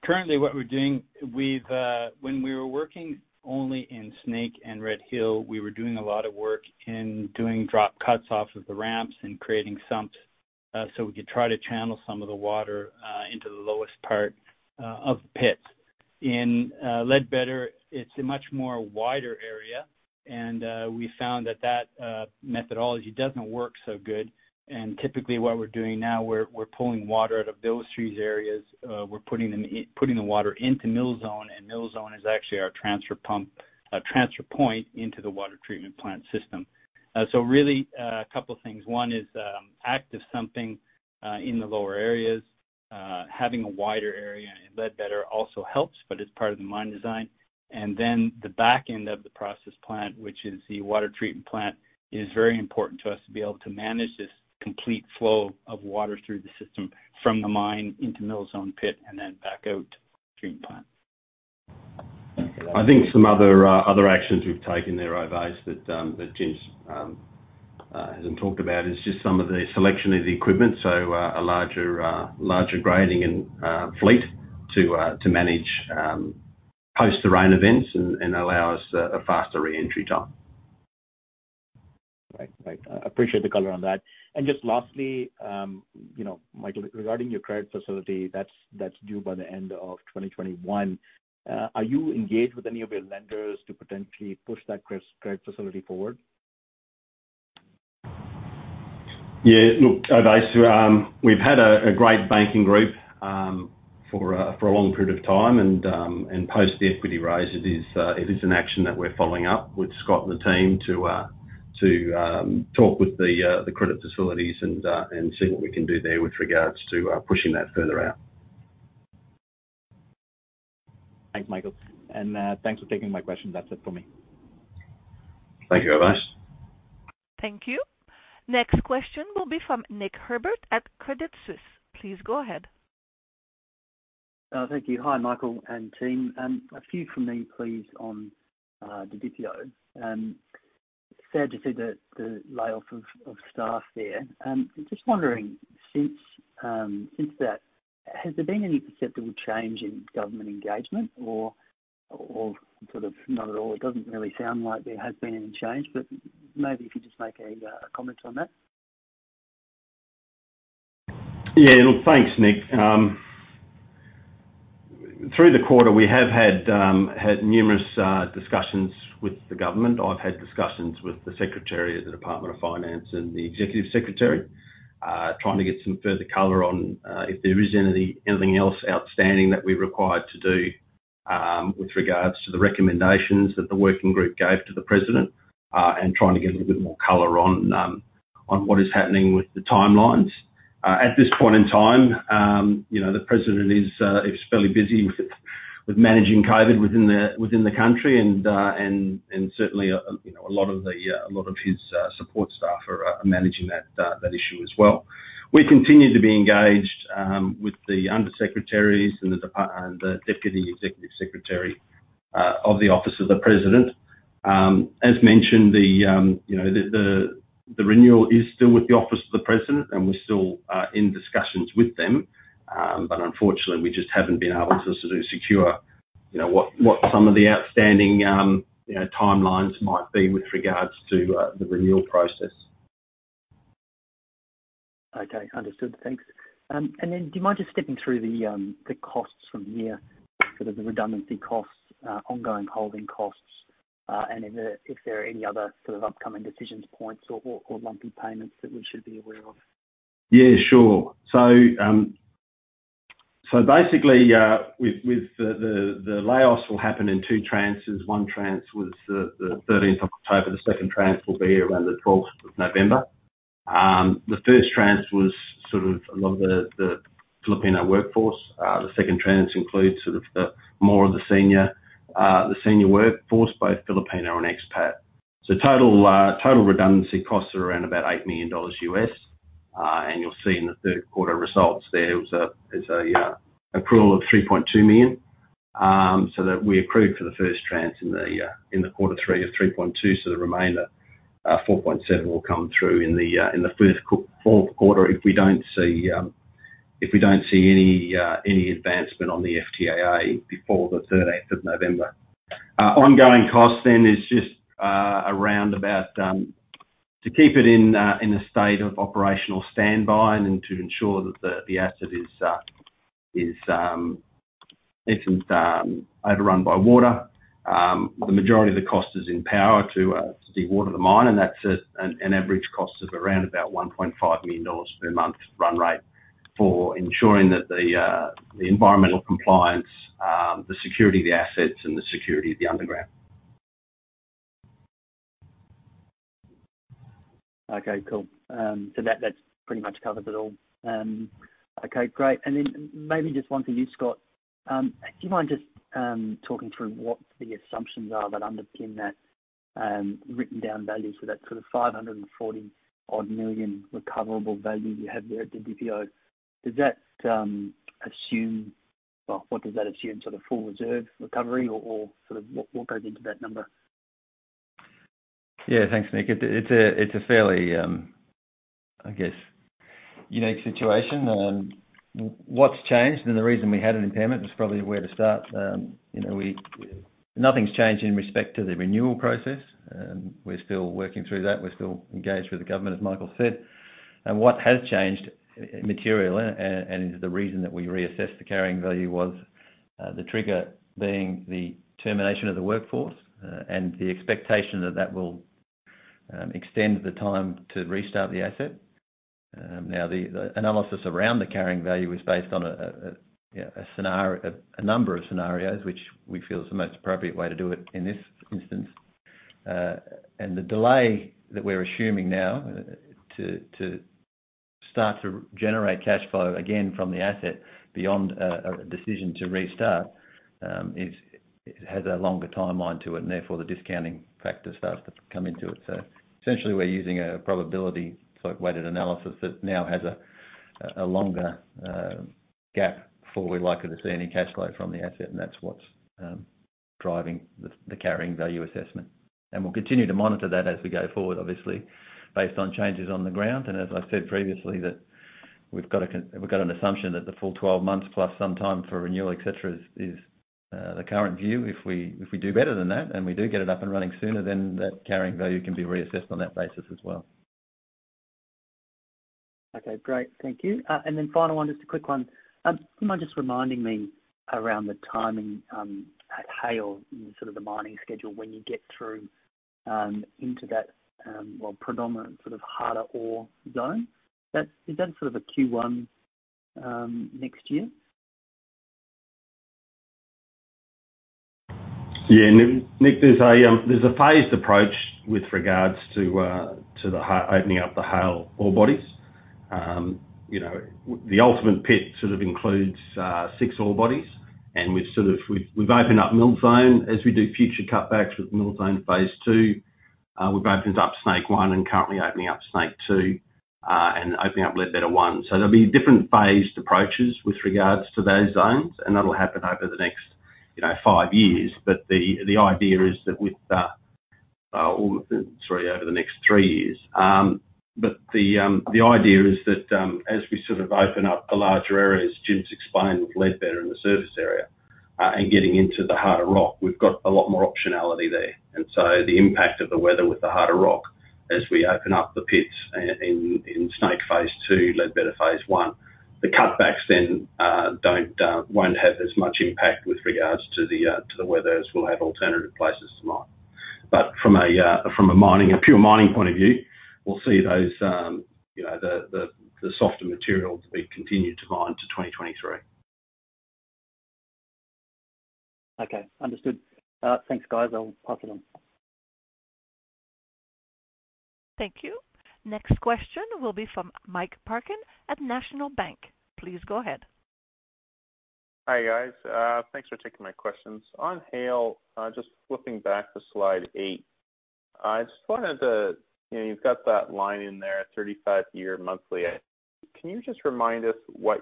Currently, what we're doing, when we were working only in Snake and Red Hill, we were doing a lot of work in doing drop cuts off of the ramps and creating sumps, so we could try to channel some of the water into the lowest part of the pits. In Ledbetter, it's a much more wider area. We found that that methodology doesn't work so good. Typically, what we're doing now, we're pulling water out of those three areas. We're putting the water into Mill Zone, Mill Zone is actually our transfer point into the water treatment plant system. Really, a couple of things. One is active sumping in the lower areas. Having a wider area in Ledbetter also helps, it's part of the mine design. The back end of the process plant, which is the water treatment plant, is very important to us to be able to manage this complete flow of water through the system, from the mine into Mill Zone pit and then back out to the treatment plant. I think some other actions we've taken there, Ovais, that Jim hasn't talked about is just some of the selection of the equipment. A larger grading fleet to manage post the rain events and allow us a faster re-entry time. Right. I appreciate the color on that. Just lastly, Michael, regarding your credit facility that's due by the end of 2021, are you engaged with any of your lenders to potentially push that credit facility forward? Yeah. Look, Ovais, we've had a great banking group for a long period of time. Post the equity raise, it is an action that we're following up with Scott and the team to talk with the credit facilities and see what we can do there with regards to pushing that further out. Thanks, Michael. Thanks for taking my questions. That's it from me. Thank you, Ovais. Thank you. Next question will be from Nick Herbert at Credit Suisse. Please go ahead. Thank you. Hi, Michael and team. A few from me, please, on Didipio. Sad to see the layoff of staff there. Just wondering, since that, has there been any perceptible change in government engagement or not at all? It doesn't really sound like there has been any change, but maybe if you could just make a comment on that. Thanks, Nick. Through the quarter, we have had numerous discussions with the government. I've had discussions with the secretary of the Department of Finance and the Executive Secretary, trying to get some further color on if there is anything else outstanding that we're required to do with regards to the recommendations that the working group gave to the President, and trying to get a little bit more color on what is happening with the timelines. At this point in time, the president is fairly busy with managing COVID within the country, and certainly a lot of his support staff are managing that issue as well. We continue to be engaged with the undersecretaries and the deputy executive secretary of the Office of the President. As mentioned, the renewal is still with the Office of the President, and we're still in discussions with them. Unfortunately, we just haven't been able to sort of secure what some of the outstanding timelines might be with regards to the renewal process. Okay, understood. Thanks. Do you mind just stepping through the costs from here, the redundancy costs, ongoing holding costs, and if there are any other sort of upcoming decisions, points, or lumpy payments that we should be aware of? Yeah, sure. The layoffs will happen in two tranches. One tranche was the 13th of October. The second tranche will be around the 12th of November. The first tranche was a lot of the Filipino workforce. The second tranche includes more of the senior workforce, both Filipino and expat. Total redundancy costs are around $8 million, and you'll see in the third quarter results there is an approval of $3.2 million. We approved for the first tranche in the quarter three of $3.2 million. The remainder, $4.7 million, will come through in the fourth quarter if we don't see any advancement on the FTAA before the 13th of November. Ongoing cost then is around to keep it in a state of operational standby and to ensure that the asset isn't overrun by water. The majority of the cost is in power to de-water the mine. That's an average cost of around about $1.5 million per month run rate for ensuring that the environmental compliance, the security of the assets, and the security of the underground. Okay, cool. That's pretty much covered it all. Okay, great. Maybe just one for you, Scott. Do you mind just talking through what the assumptions are that underpin that written down values for that sort of $540 million recoverable value you have there at Didipio? What does that assume sort of full reserve recovery or sort of what goes into that number? Thanks, Nick. It's a fairly, I guess, unique situation. What's changed and the reason we had an impairment is probably where to start. Nothing's changed in respect to the renewal process. We're still working through that. We're still engaged with the government, as Michael said. What has changed materially and is the reason that we reassessed the carrying value was the trigger being the termination of the workforce, and the expectation that that will extend the time to restart the asset. The analysis around the carrying value was based on a number of scenarios, which we feel is the most appropriate way to do it in this instance. The delay that we're assuming now to start to generate cash flow again from the asset beyond a decision to restart has a longer timeline to it, and therefore the discounting factor starts to come into it. Essentially, we're using a probability sort of weighted analysis that now has a longer gap before we're likely to see any cash flow from the asset, and that's what's driving the carrying value assessment. We'll continue to monitor that as we go forward, obviously, based on changes on the ground. As I said previously, that we've got an assumption that the full 12 months plus some time for renewal, et cetera, is the current view. If we do better than that and we do get it up and running sooner, then that carrying value can be reassessed on that basis as well. Okay, great. Thank you. Then final one, just a quick one. Do you mind just reminding me around the timing at Haile and sort of the mining schedule when you get through into that well predominant sort of harder ore zone? Is that sort of a Q1 next year? Yeah. Nick, there's a phased approach with regards to the opening up the Haile ore bodies. The ultimate pit sort of includes six ore bodies, and we've opened up Mill Zone. As we do future cutbacks with Mill Zone Phase 2, we've opened up Snake 1 and currently opening up Snake 2, and opening up Ledbetter 1. There'll be different phased approaches with regards to those zones, and that'll happen over the next five years. The idea is that with the, sorry, over the next three years. The idea is that as we sort of open up the larger areas, as Jim explained, with Ledbetter in the surface area, and getting into the harder rock, we've got a lot more optionality there. The impact of the weather with the harder rock as we open up the pits in Snake Phase 2, Ledbetter Phase 1. The cutbacks then won't have as much impact with regards to the weather, as we'll have alternative places to mine. From a pure mining point of view, we'll see the softer material to be continued to mine to 2023. Okay. Understood. Thanks, guys. I'll pass it on. Thank you. Next question will be from Mike Parkin at National Bank. Please go ahead. Hi, guys. Thanks for taking my questions. On Haile, just flipping back to slide eight. You've got that line in there, 35-year monthly. Can you just remind us what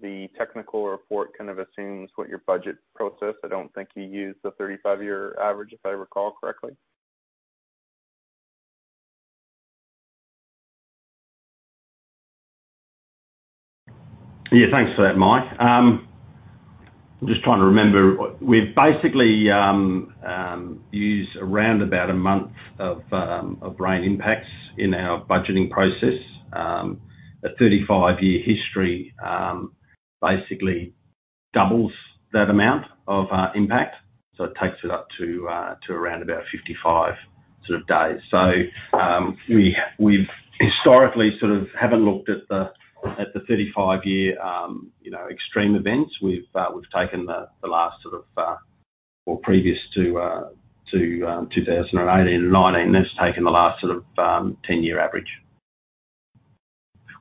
the technical report kind of assumes, what your budget process, I don't think you use the 35-year average, if I recall correctly? Yeah. Thanks for that, Mike. I'm just trying to remember. We've basically, used around about a month of rain impacts in our budgeting process. A 35-year history basically doubles that amount of impact. It takes it up to around about 55 days. We've historically haven't looked at the 35-year extreme events. We've taken the last, well, previous to 2018 and 2019, that's taken the last 10-year average.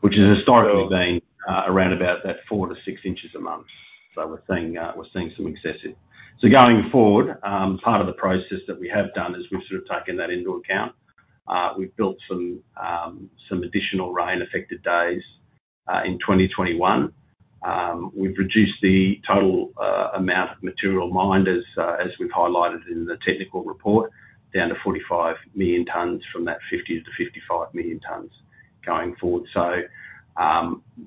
Which has historically been around about that 4-6 in a month. We're seeing some excessive. Going forward, part of the process that we have done is we've taken that into account. We've built some additional rain-affected days in 2021. We've reduced the total amount of material mined, as we've highlighted in the technical report, down to 45 million tonnes from that 50-55 million tonnes going forward.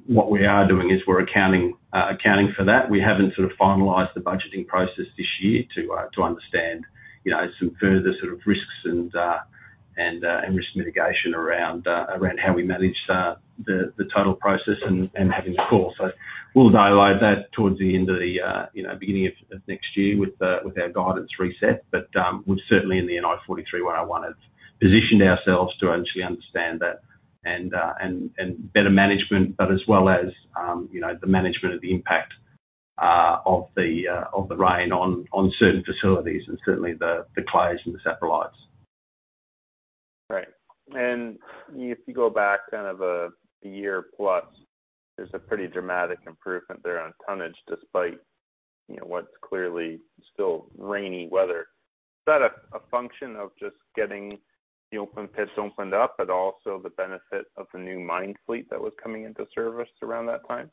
What we are doing is we're accounting for that. We haven't finalized the budgeting process this year to understand some further risks and risk mitigation around how we manage the total process and having the call. We'll dialogue that towards the end of the beginning of next year with our guidance reset. We've certainly in the NI 43-101 have positioned ourselves to actually understand that and better management, but as well as the management of the impact of the rain on certain facilities and certainly the clays and the saprolites. Right. If you go back a year plus, there's a pretty dramatic improvement there on tonnage, despite what's clearly still rainy weather. Is that a function of just getting the open pits opened up, but also the benefit of the new mine fleet that was coming into service around that time?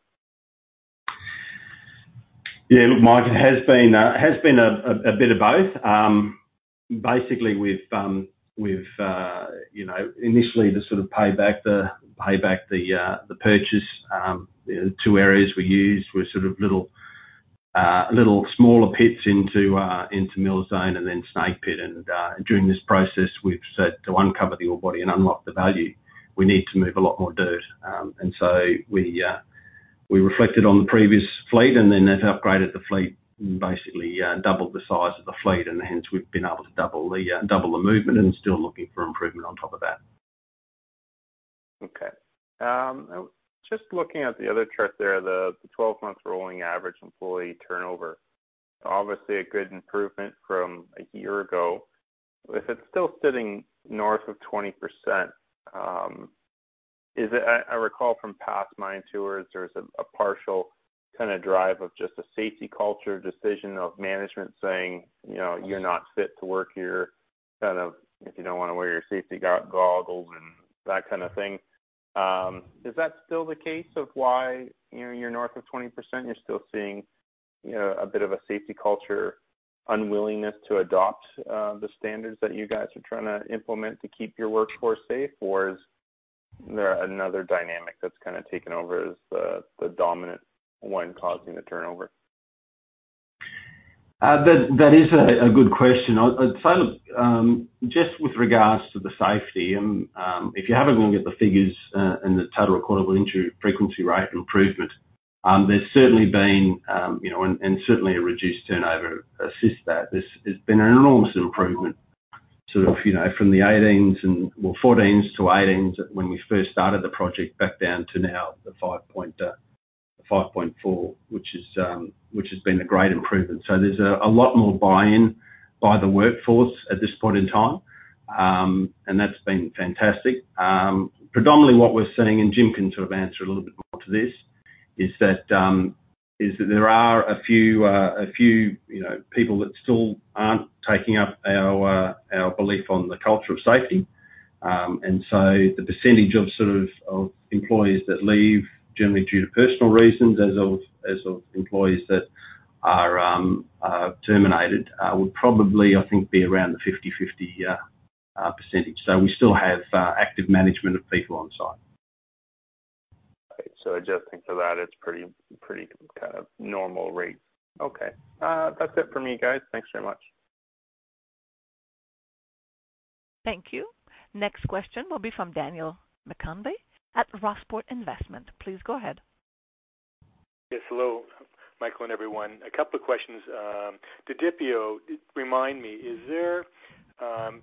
Yeah. Look, Mike, it has been a bit of both. Basically we've, initially to sort of pay back the purchase, two areas we used were little smaller pits into Mill Zone and then Snake Pit. During this process, we've set to uncover the ore body and unlock the value. We need to move a lot more dirt. We reflected on the previous fleet and then they've upgraded the fleet, basically doubled the size of the fleet, and hence we've been able to double the movement and still looking for improvement on top of that. Just looking at the other chart there, the 12 months rolling average employee turnover. Obviously a good improvement from a year ago. If it's still sitting north of 20%, I recall from past mine tours, there was a partial drive of just a safety culture decision of management saying, "You're not fit to work here," if you don't want to wear your safety goggles and that kind of thing. Is that still the case of why you're north of 20%, you're still seeing a bit of a safety culture unwillingness to adopt the standards that you guys are trying to implement to keep your workforce safe? Or is there another dynamic that's taken over as the dominant one causing the turnover? That is a good question. I'd say, just with regards to the safety, if you have a look at the figures and the total recordable injury frequency rate improvement, there's certainly been, and certainly a reduced turnover assists that. There's been an enormous improvement from the 2014s to 2018s when we first started the project back down to now the 5.4, which has been a great improvement. There's a lot more buy-in by the workforce at this point in time. That's been fantastic. Predominantly what we're seeing, and Jim can answer a little bit more to this, is that there are a few people that still aren't taking up our belief on the culture of safety. The percentage of employees that leave, generally due to personal reasons as of employees that are terminated, would probably, I think, be around the 50/50%. We still have active management of people on site. Right. Adjusting for that, it's pretty normal rate. Okay. That's it for me, guys. Thanks very much. Thank you. Next question will be from Daniel McConvey at Rossport Investments. Please go ahead. Yes, hello, Michael and everyone. A couple of questions. Didipio, remind me, do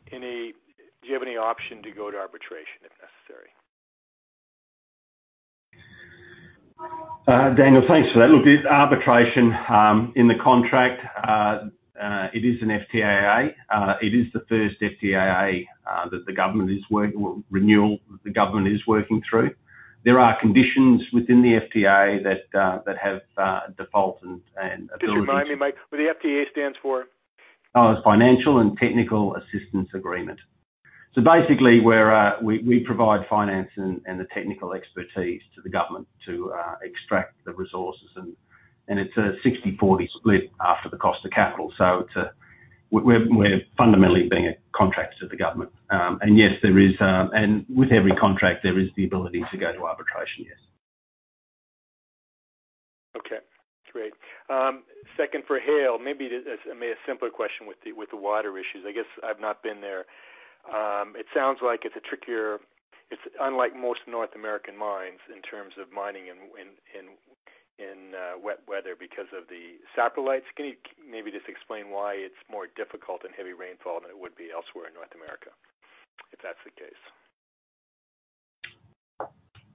you have any option to go to arbitration if necessary? Daniel, thanks for that. Look, there's arbitration in the contract. It is an FTAA. It is the first FTAA renewal that the government is working through. There are conditions within the FTAA that have defaults. Just remind me, what the FTAA stands for. It's Financial and Technical Assistance Agreement. Basically we provide finance and the technical expertise to the government to extract the resources, and it's a 60/40 split after the cost of capital. We're fundamentally being a contractor to the government. With every contract, there is the ability to go to arbitration, yes. Okay, great. Second for Haile, maybe a simpler question with the wider issues. I guess I've not been there. It sounds like it's unlike most North American mines in terms of mining in wet weather because of the saprolite. Can you maybe just explain why it's more difficult in heavy rainfall than it would be elsewhere in North America, if that's the case?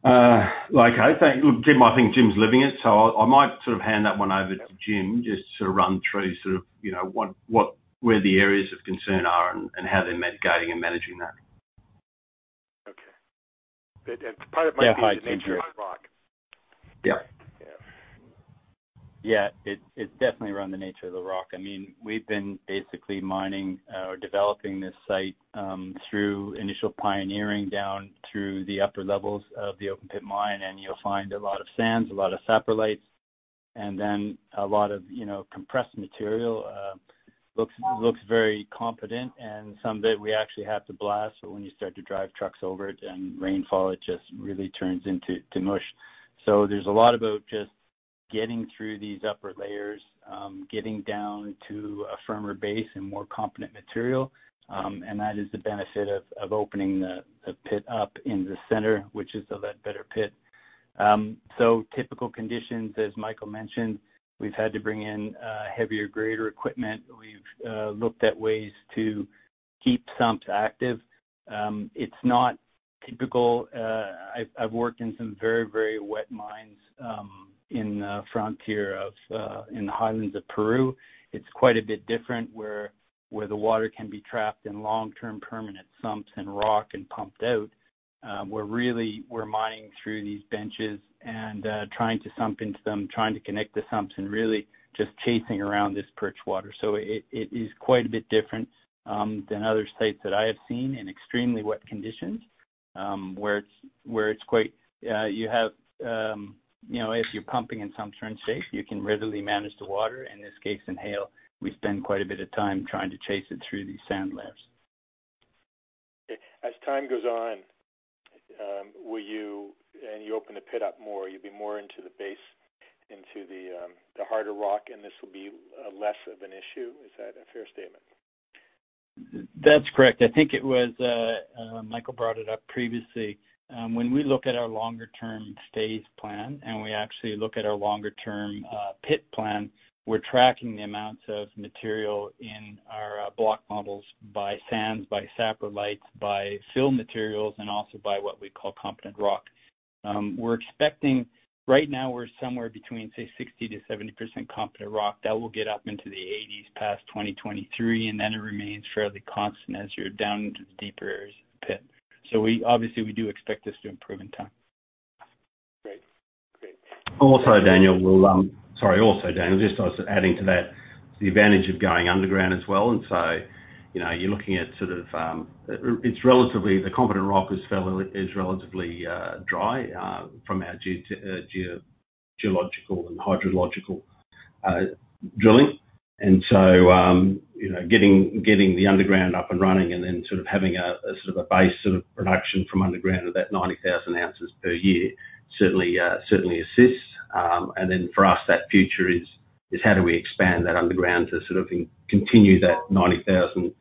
Okay. Look, Jim, I think Jim's living it, so I might hand that one over to Jim just to run through where the areas of concern are and how they're mitigating and managing that. Yeah. It's definitely around the nature of the rock. We've been basically mining or developing this site through initial pioneering down through the upper levels of the open pit mine. You'll find a lot of sands, a lot of saprolite, and then a lot of compressed material. Looks very competent, and some of it we actually have to blast, but when you start to drive trucks over it in rainfall, it just really turns into mush. There's a lot about just getting through these upper layers, getting down to a firmer base and more competent material. That is the benefit of opening the pit up in the center, which is of that better pit. Typical conditions, as Michael mentioned, we've had to bring in heavier grader equipment. We've looked at ways to keep sumps active. It's not typical. I've worked in some very wet mines in the frontier of, in the highlands of Peru. It's quite a bit different where the water can be trapped in long-term permanent sumps and rock and pumped out. We're mining through these benches, trying to sump into them, trying to connect the sumps, really just chasing around this perched water. It is quite a bit different than other sites that I have seen in extremely wet conditions. If you're pumping in [some certain state], you can readily manage the water. In this case, in Haile, we spend quite a bit of time trying to chase it through these sand layers. Okay. As time goes on, and you open the pit up more, you'll be more into the base, into the harder rock, and this will be less of an issue. Is that a fair statement? That's correct. I think Michael brought it up previously. When we look at our longer term stage plan, and we actually look at our longer term pit plan, we're tracking the amounts of material in our block models by sands, by saprolite, by fill materials, and also by what we call competent rock. Right now, we're somewhere between, say, 60%-70% competent rock. That will get up into the 80% past 2023, and then it remains fairly constant as you're down into the deeper areas of the pit. Obviously, we do expect this to improve in time. Daniel, just adding to that, the advantage of going underground as well. The competent rock is relatively dry from our geological and hydrological drilling. Getting the underground up and running and then having a base production from underground of that 90,000 oz per year certainly assists. For us, that future is how do we expand that underground to continue that 90,000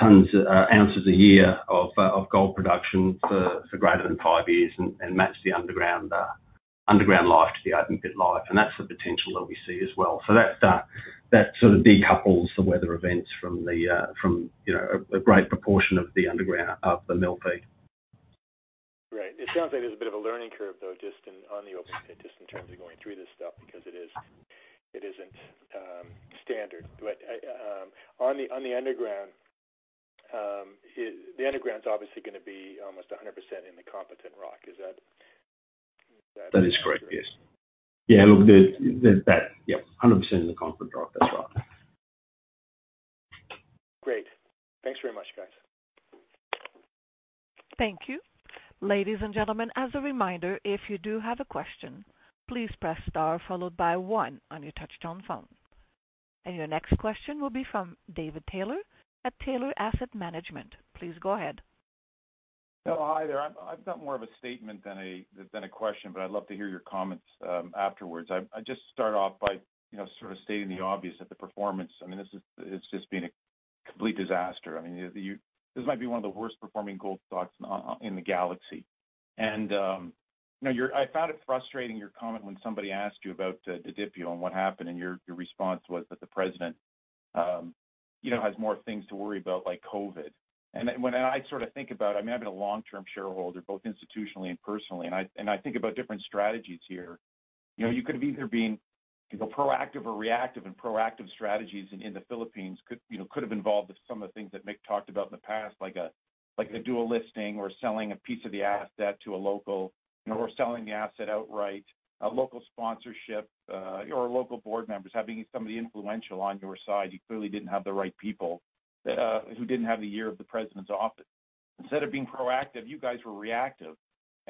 oz a year of gold production for greater than five years and match the underground life to the open pit life. That's the potential that we see as well. That decouples the weather events from a great proportion of the mill feed. Right. It sounds like there's a bit of a learning curve, though, just on the open pit, just in terms of going through this stuff, because it isn't standard. On the underground, the underground's obviously going to be almost 100% in the competent rock. Is that it? That is correct, yes. 100% in the competent rock. That's right. Great. Thanks very much, guys. Thank you. Ladies and gentlemen, as a reminder, if you do have a question, please press star followed by one on your touchtone phone. Your next question will be from David Taylor at Taylor Asset Management. Please go ahead. Hello. Hi there. I've got more of a statement than a question, but I'd love to hear your comments afterwards. I just start off by stating the obvious, that the performance, it's just been a complete disaster. This might be one of the worst performing gold stocks in the galaxy. I found it frustrating, your comment when somebody asked you about the Didipio, what happened, and your response was that the President has more things to worry about, like COVID. When I think about, I'm having a long-term shareholder, both institutionally and personally, and I think about different strategies here. You could've either been proactive or reactive. Proactive strategies in the Philippines could have involved some of the things that Mick talked about in the past, like a dual listing or selling a piece of the asset to a local, or selling the asset outright, a local sponsorship, or local board members, having somebody influential on your side. You clearly didn't have the right people who didn't have the ear of the President's Office. Instead of being proactive, you guys were reactive,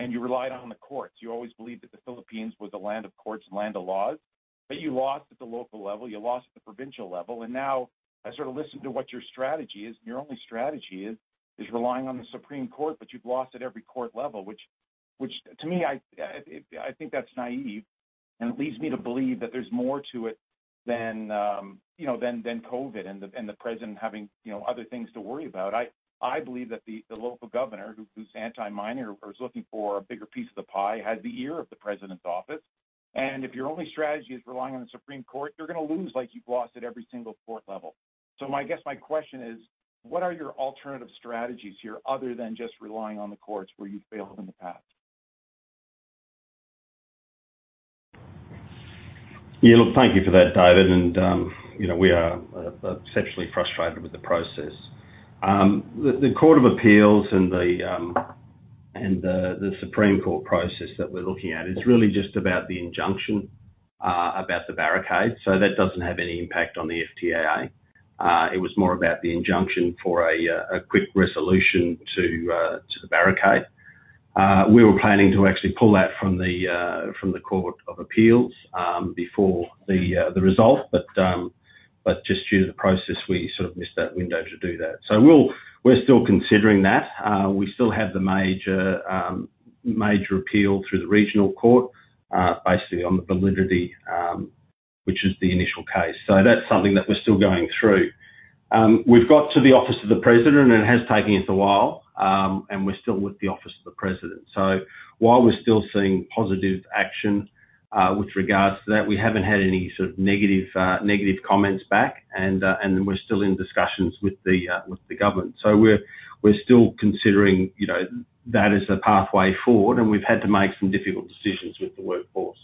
you relied on the courts. You always believed that the Philippines was a land of courts and land of laws, you lost at the local level, you lost at the provincial level. Now I sort of listen to what your strategy is, your only strategy is relying on the Supreme Court, you've lost at every court level. Which to me, I think that's naive and it leads me to believe that there's more to it than COVID and the President having other things to worry about. I believe that the local governor, who's anti-mining or is looking for a bigger piece of the pie, had the ear of the President's Office. If your only strategy is relying on the Supreme Court, you're going to lose like you've lost at every single court level. I guess my question is, what are your alternative strategies here other than just relying on the courts where you've failed in the past? Yeah, look, thank you for that, David. We are exceptionally frustrated with the process. The Court of Appeals and the Supreme Court process that we're looking at is really just about the injunction about the barricade. That doesn't have any impact on the FTAA. It was more about the injunction for a quick resolution to the barricade. We were planning to actually pull that from the Court of Appeals before the result, just due to the process, we sort of missed that window to do that. We're still considering that. We still have the major appeal through the regional court, basically on the validity, which is the initial case. That's something that we're still going through. We've got to the Office of the President, it has taken us a while, we're still with the Office of the President. While we're still seeing positive action, with regards to that, we haven't had any sort of negative comments back. We're still in discussions with the government. We're still considering that as the pathway forward. We've had to make some difficult decisions with the workforce.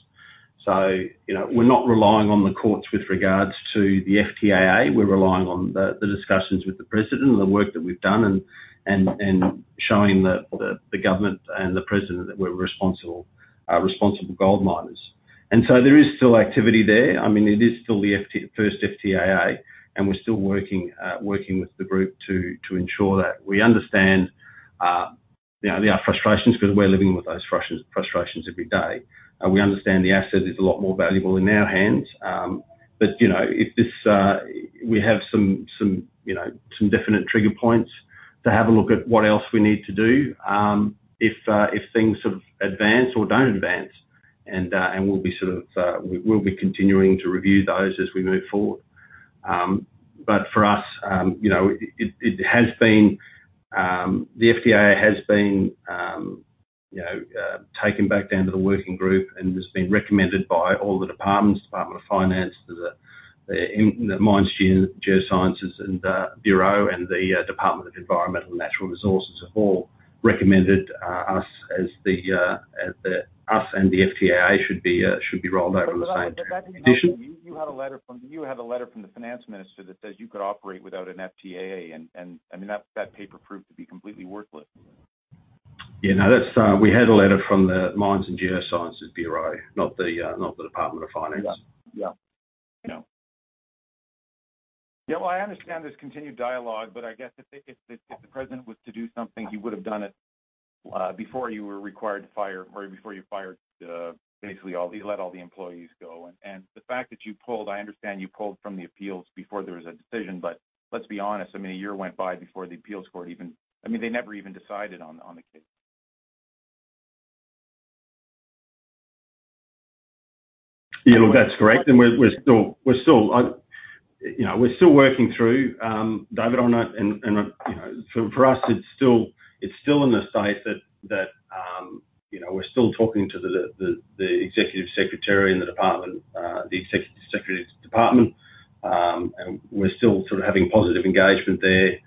We're not relying on the courts with regards to the FTAA. We're relying on the discussions with the President and the work that we've done and showing the government and the President that we're responsible gold miners. There is still activity there. It is still the first FTAA, and we're still working with the group to ensure that. We understand their frustrations because we're living with those frustrations every day. We understand the asset is a lot more valuable in our hands. We have some definite trigger points to have a look at what else we need to do if things advance or don't advance. We'll be continuing to review those as we move forward. For us, the FTAA has been taken back down to the working group and has been recommended by all the departments. Department of Finance to the Mines and Geosciences Bureau and the Department of Environment and Natural Resources have all recommended us and the FTAA should be rolled over the same conditions. That didn't happen. You have a letter from the finance minister that says you could operate without an FTAA, and that paper proved to be completely worthless. Yeah. No, we had a letter from the Mines and Geosciences Bureau, not the Department of Finance. Yeah. No. Well, I understand there is continued dialogue, but I guess if the President was to do something, he would have done it before you fired, basically, you let all the employees go. The fact that you pulled, I understand you pulled from the Appeals before there was a decision, but let's be honest, a year went by before the Appeals Court even They never even decided on the case. Yeah. Look, that's correct. We're still working through, David, on it. For us, it's still in the state that we're still talking to the Executive Secretary in the department, the Executive Secretary's department. We're still sort of having positive engagement there.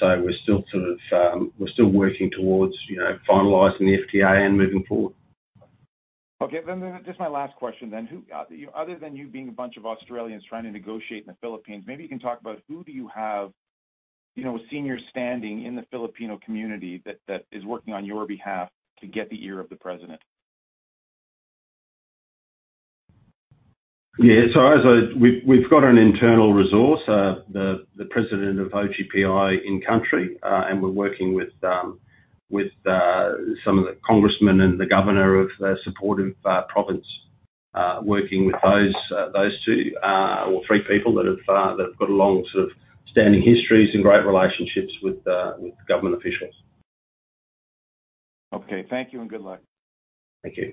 We're still working towards finalizing the FTAA and moving forward. Okay, just my last question then. Other than you being a bunch of Australians trying to negotiate in the Philippines, maybe you can talk about who do you have senior standing in the Filipino community that is working on your behalf to get the ear of the President? Yeah. We've got an internal resource, the President of OGPI in country. We're working with some of the congressmen and the governor of the supportive province. Working with those two or three people that have got a long sort of standing histories and great relationships with government officials. Okay, thank you, and good luck. Thank you.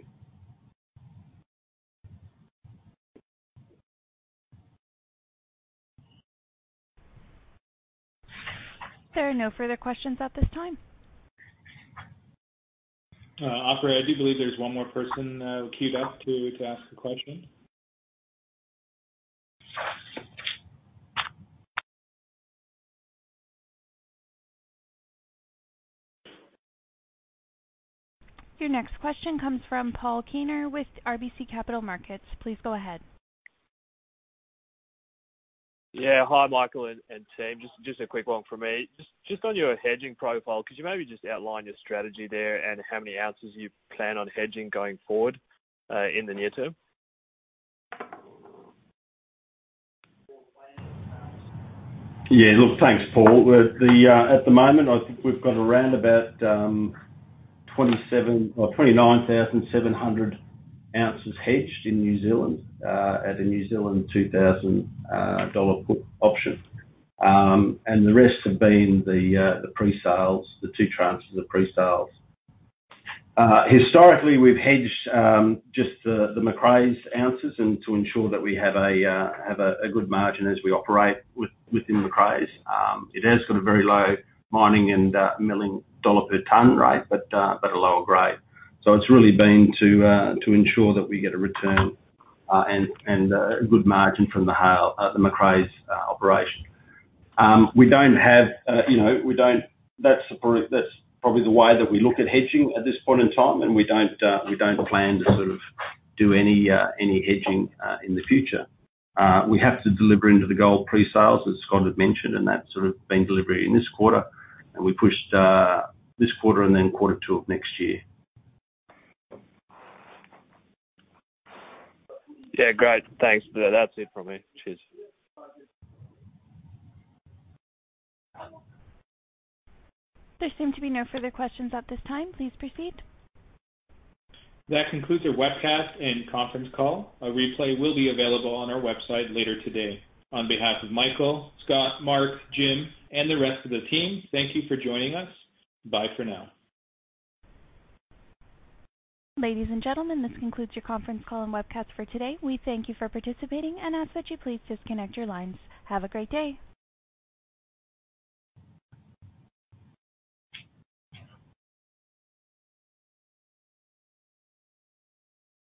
There are no further questions at this time. Operator, I do believe there's one more person queued up to ask a question. Your next question comes from Paul Kaner with RBC Capital Markets. Please go ahead. Yeah. Hi, Michael and team. Just a quick one from me. Just on your hedging profile, could you maybe just outline your strategy there and how many ounces you plan on hedging going forward, in the near term? Yeah. Look, thanks, Paul. At the moment, I think we've got around about 29,700 oz hedged in New Zealand, at a 2,000 New Zealand dollars put option. The rest have been the pre-sales, the two tranches of pre-sales. Historically, we've hedged just the Macraes ounces and to ensure that we have a good margin as we operate within Macraes. It has got a very low mining and milling dollar per ton rate, but a lower grade. It's really been to ensure that we get a return and a good margin from the Haile, the Macraes operation. That's probably the way that we look at hedging at this point in time, and we don't plan to sort of do any hedging in the future. We have to deliver into the gold pre-sales, as Scott had mentioned, and that's sort of been delivery in this quarter. We pushed this quarter and then quarter two of next year. Great. Thanks. That's it from me. Cheers. There seem to be no further questions at this time. Please proceed. That concludes our webcast and conference call. A replay will be available on our website later today. On behalf of Michael, Scott, Mark, Jim, and the rest of the team, thank you for joining us. Bye for now. Ladies and gentlemen, this concludes your conference call and webcast for today. We thank you for participating and ask that you please disconnect your lines. Have a great day.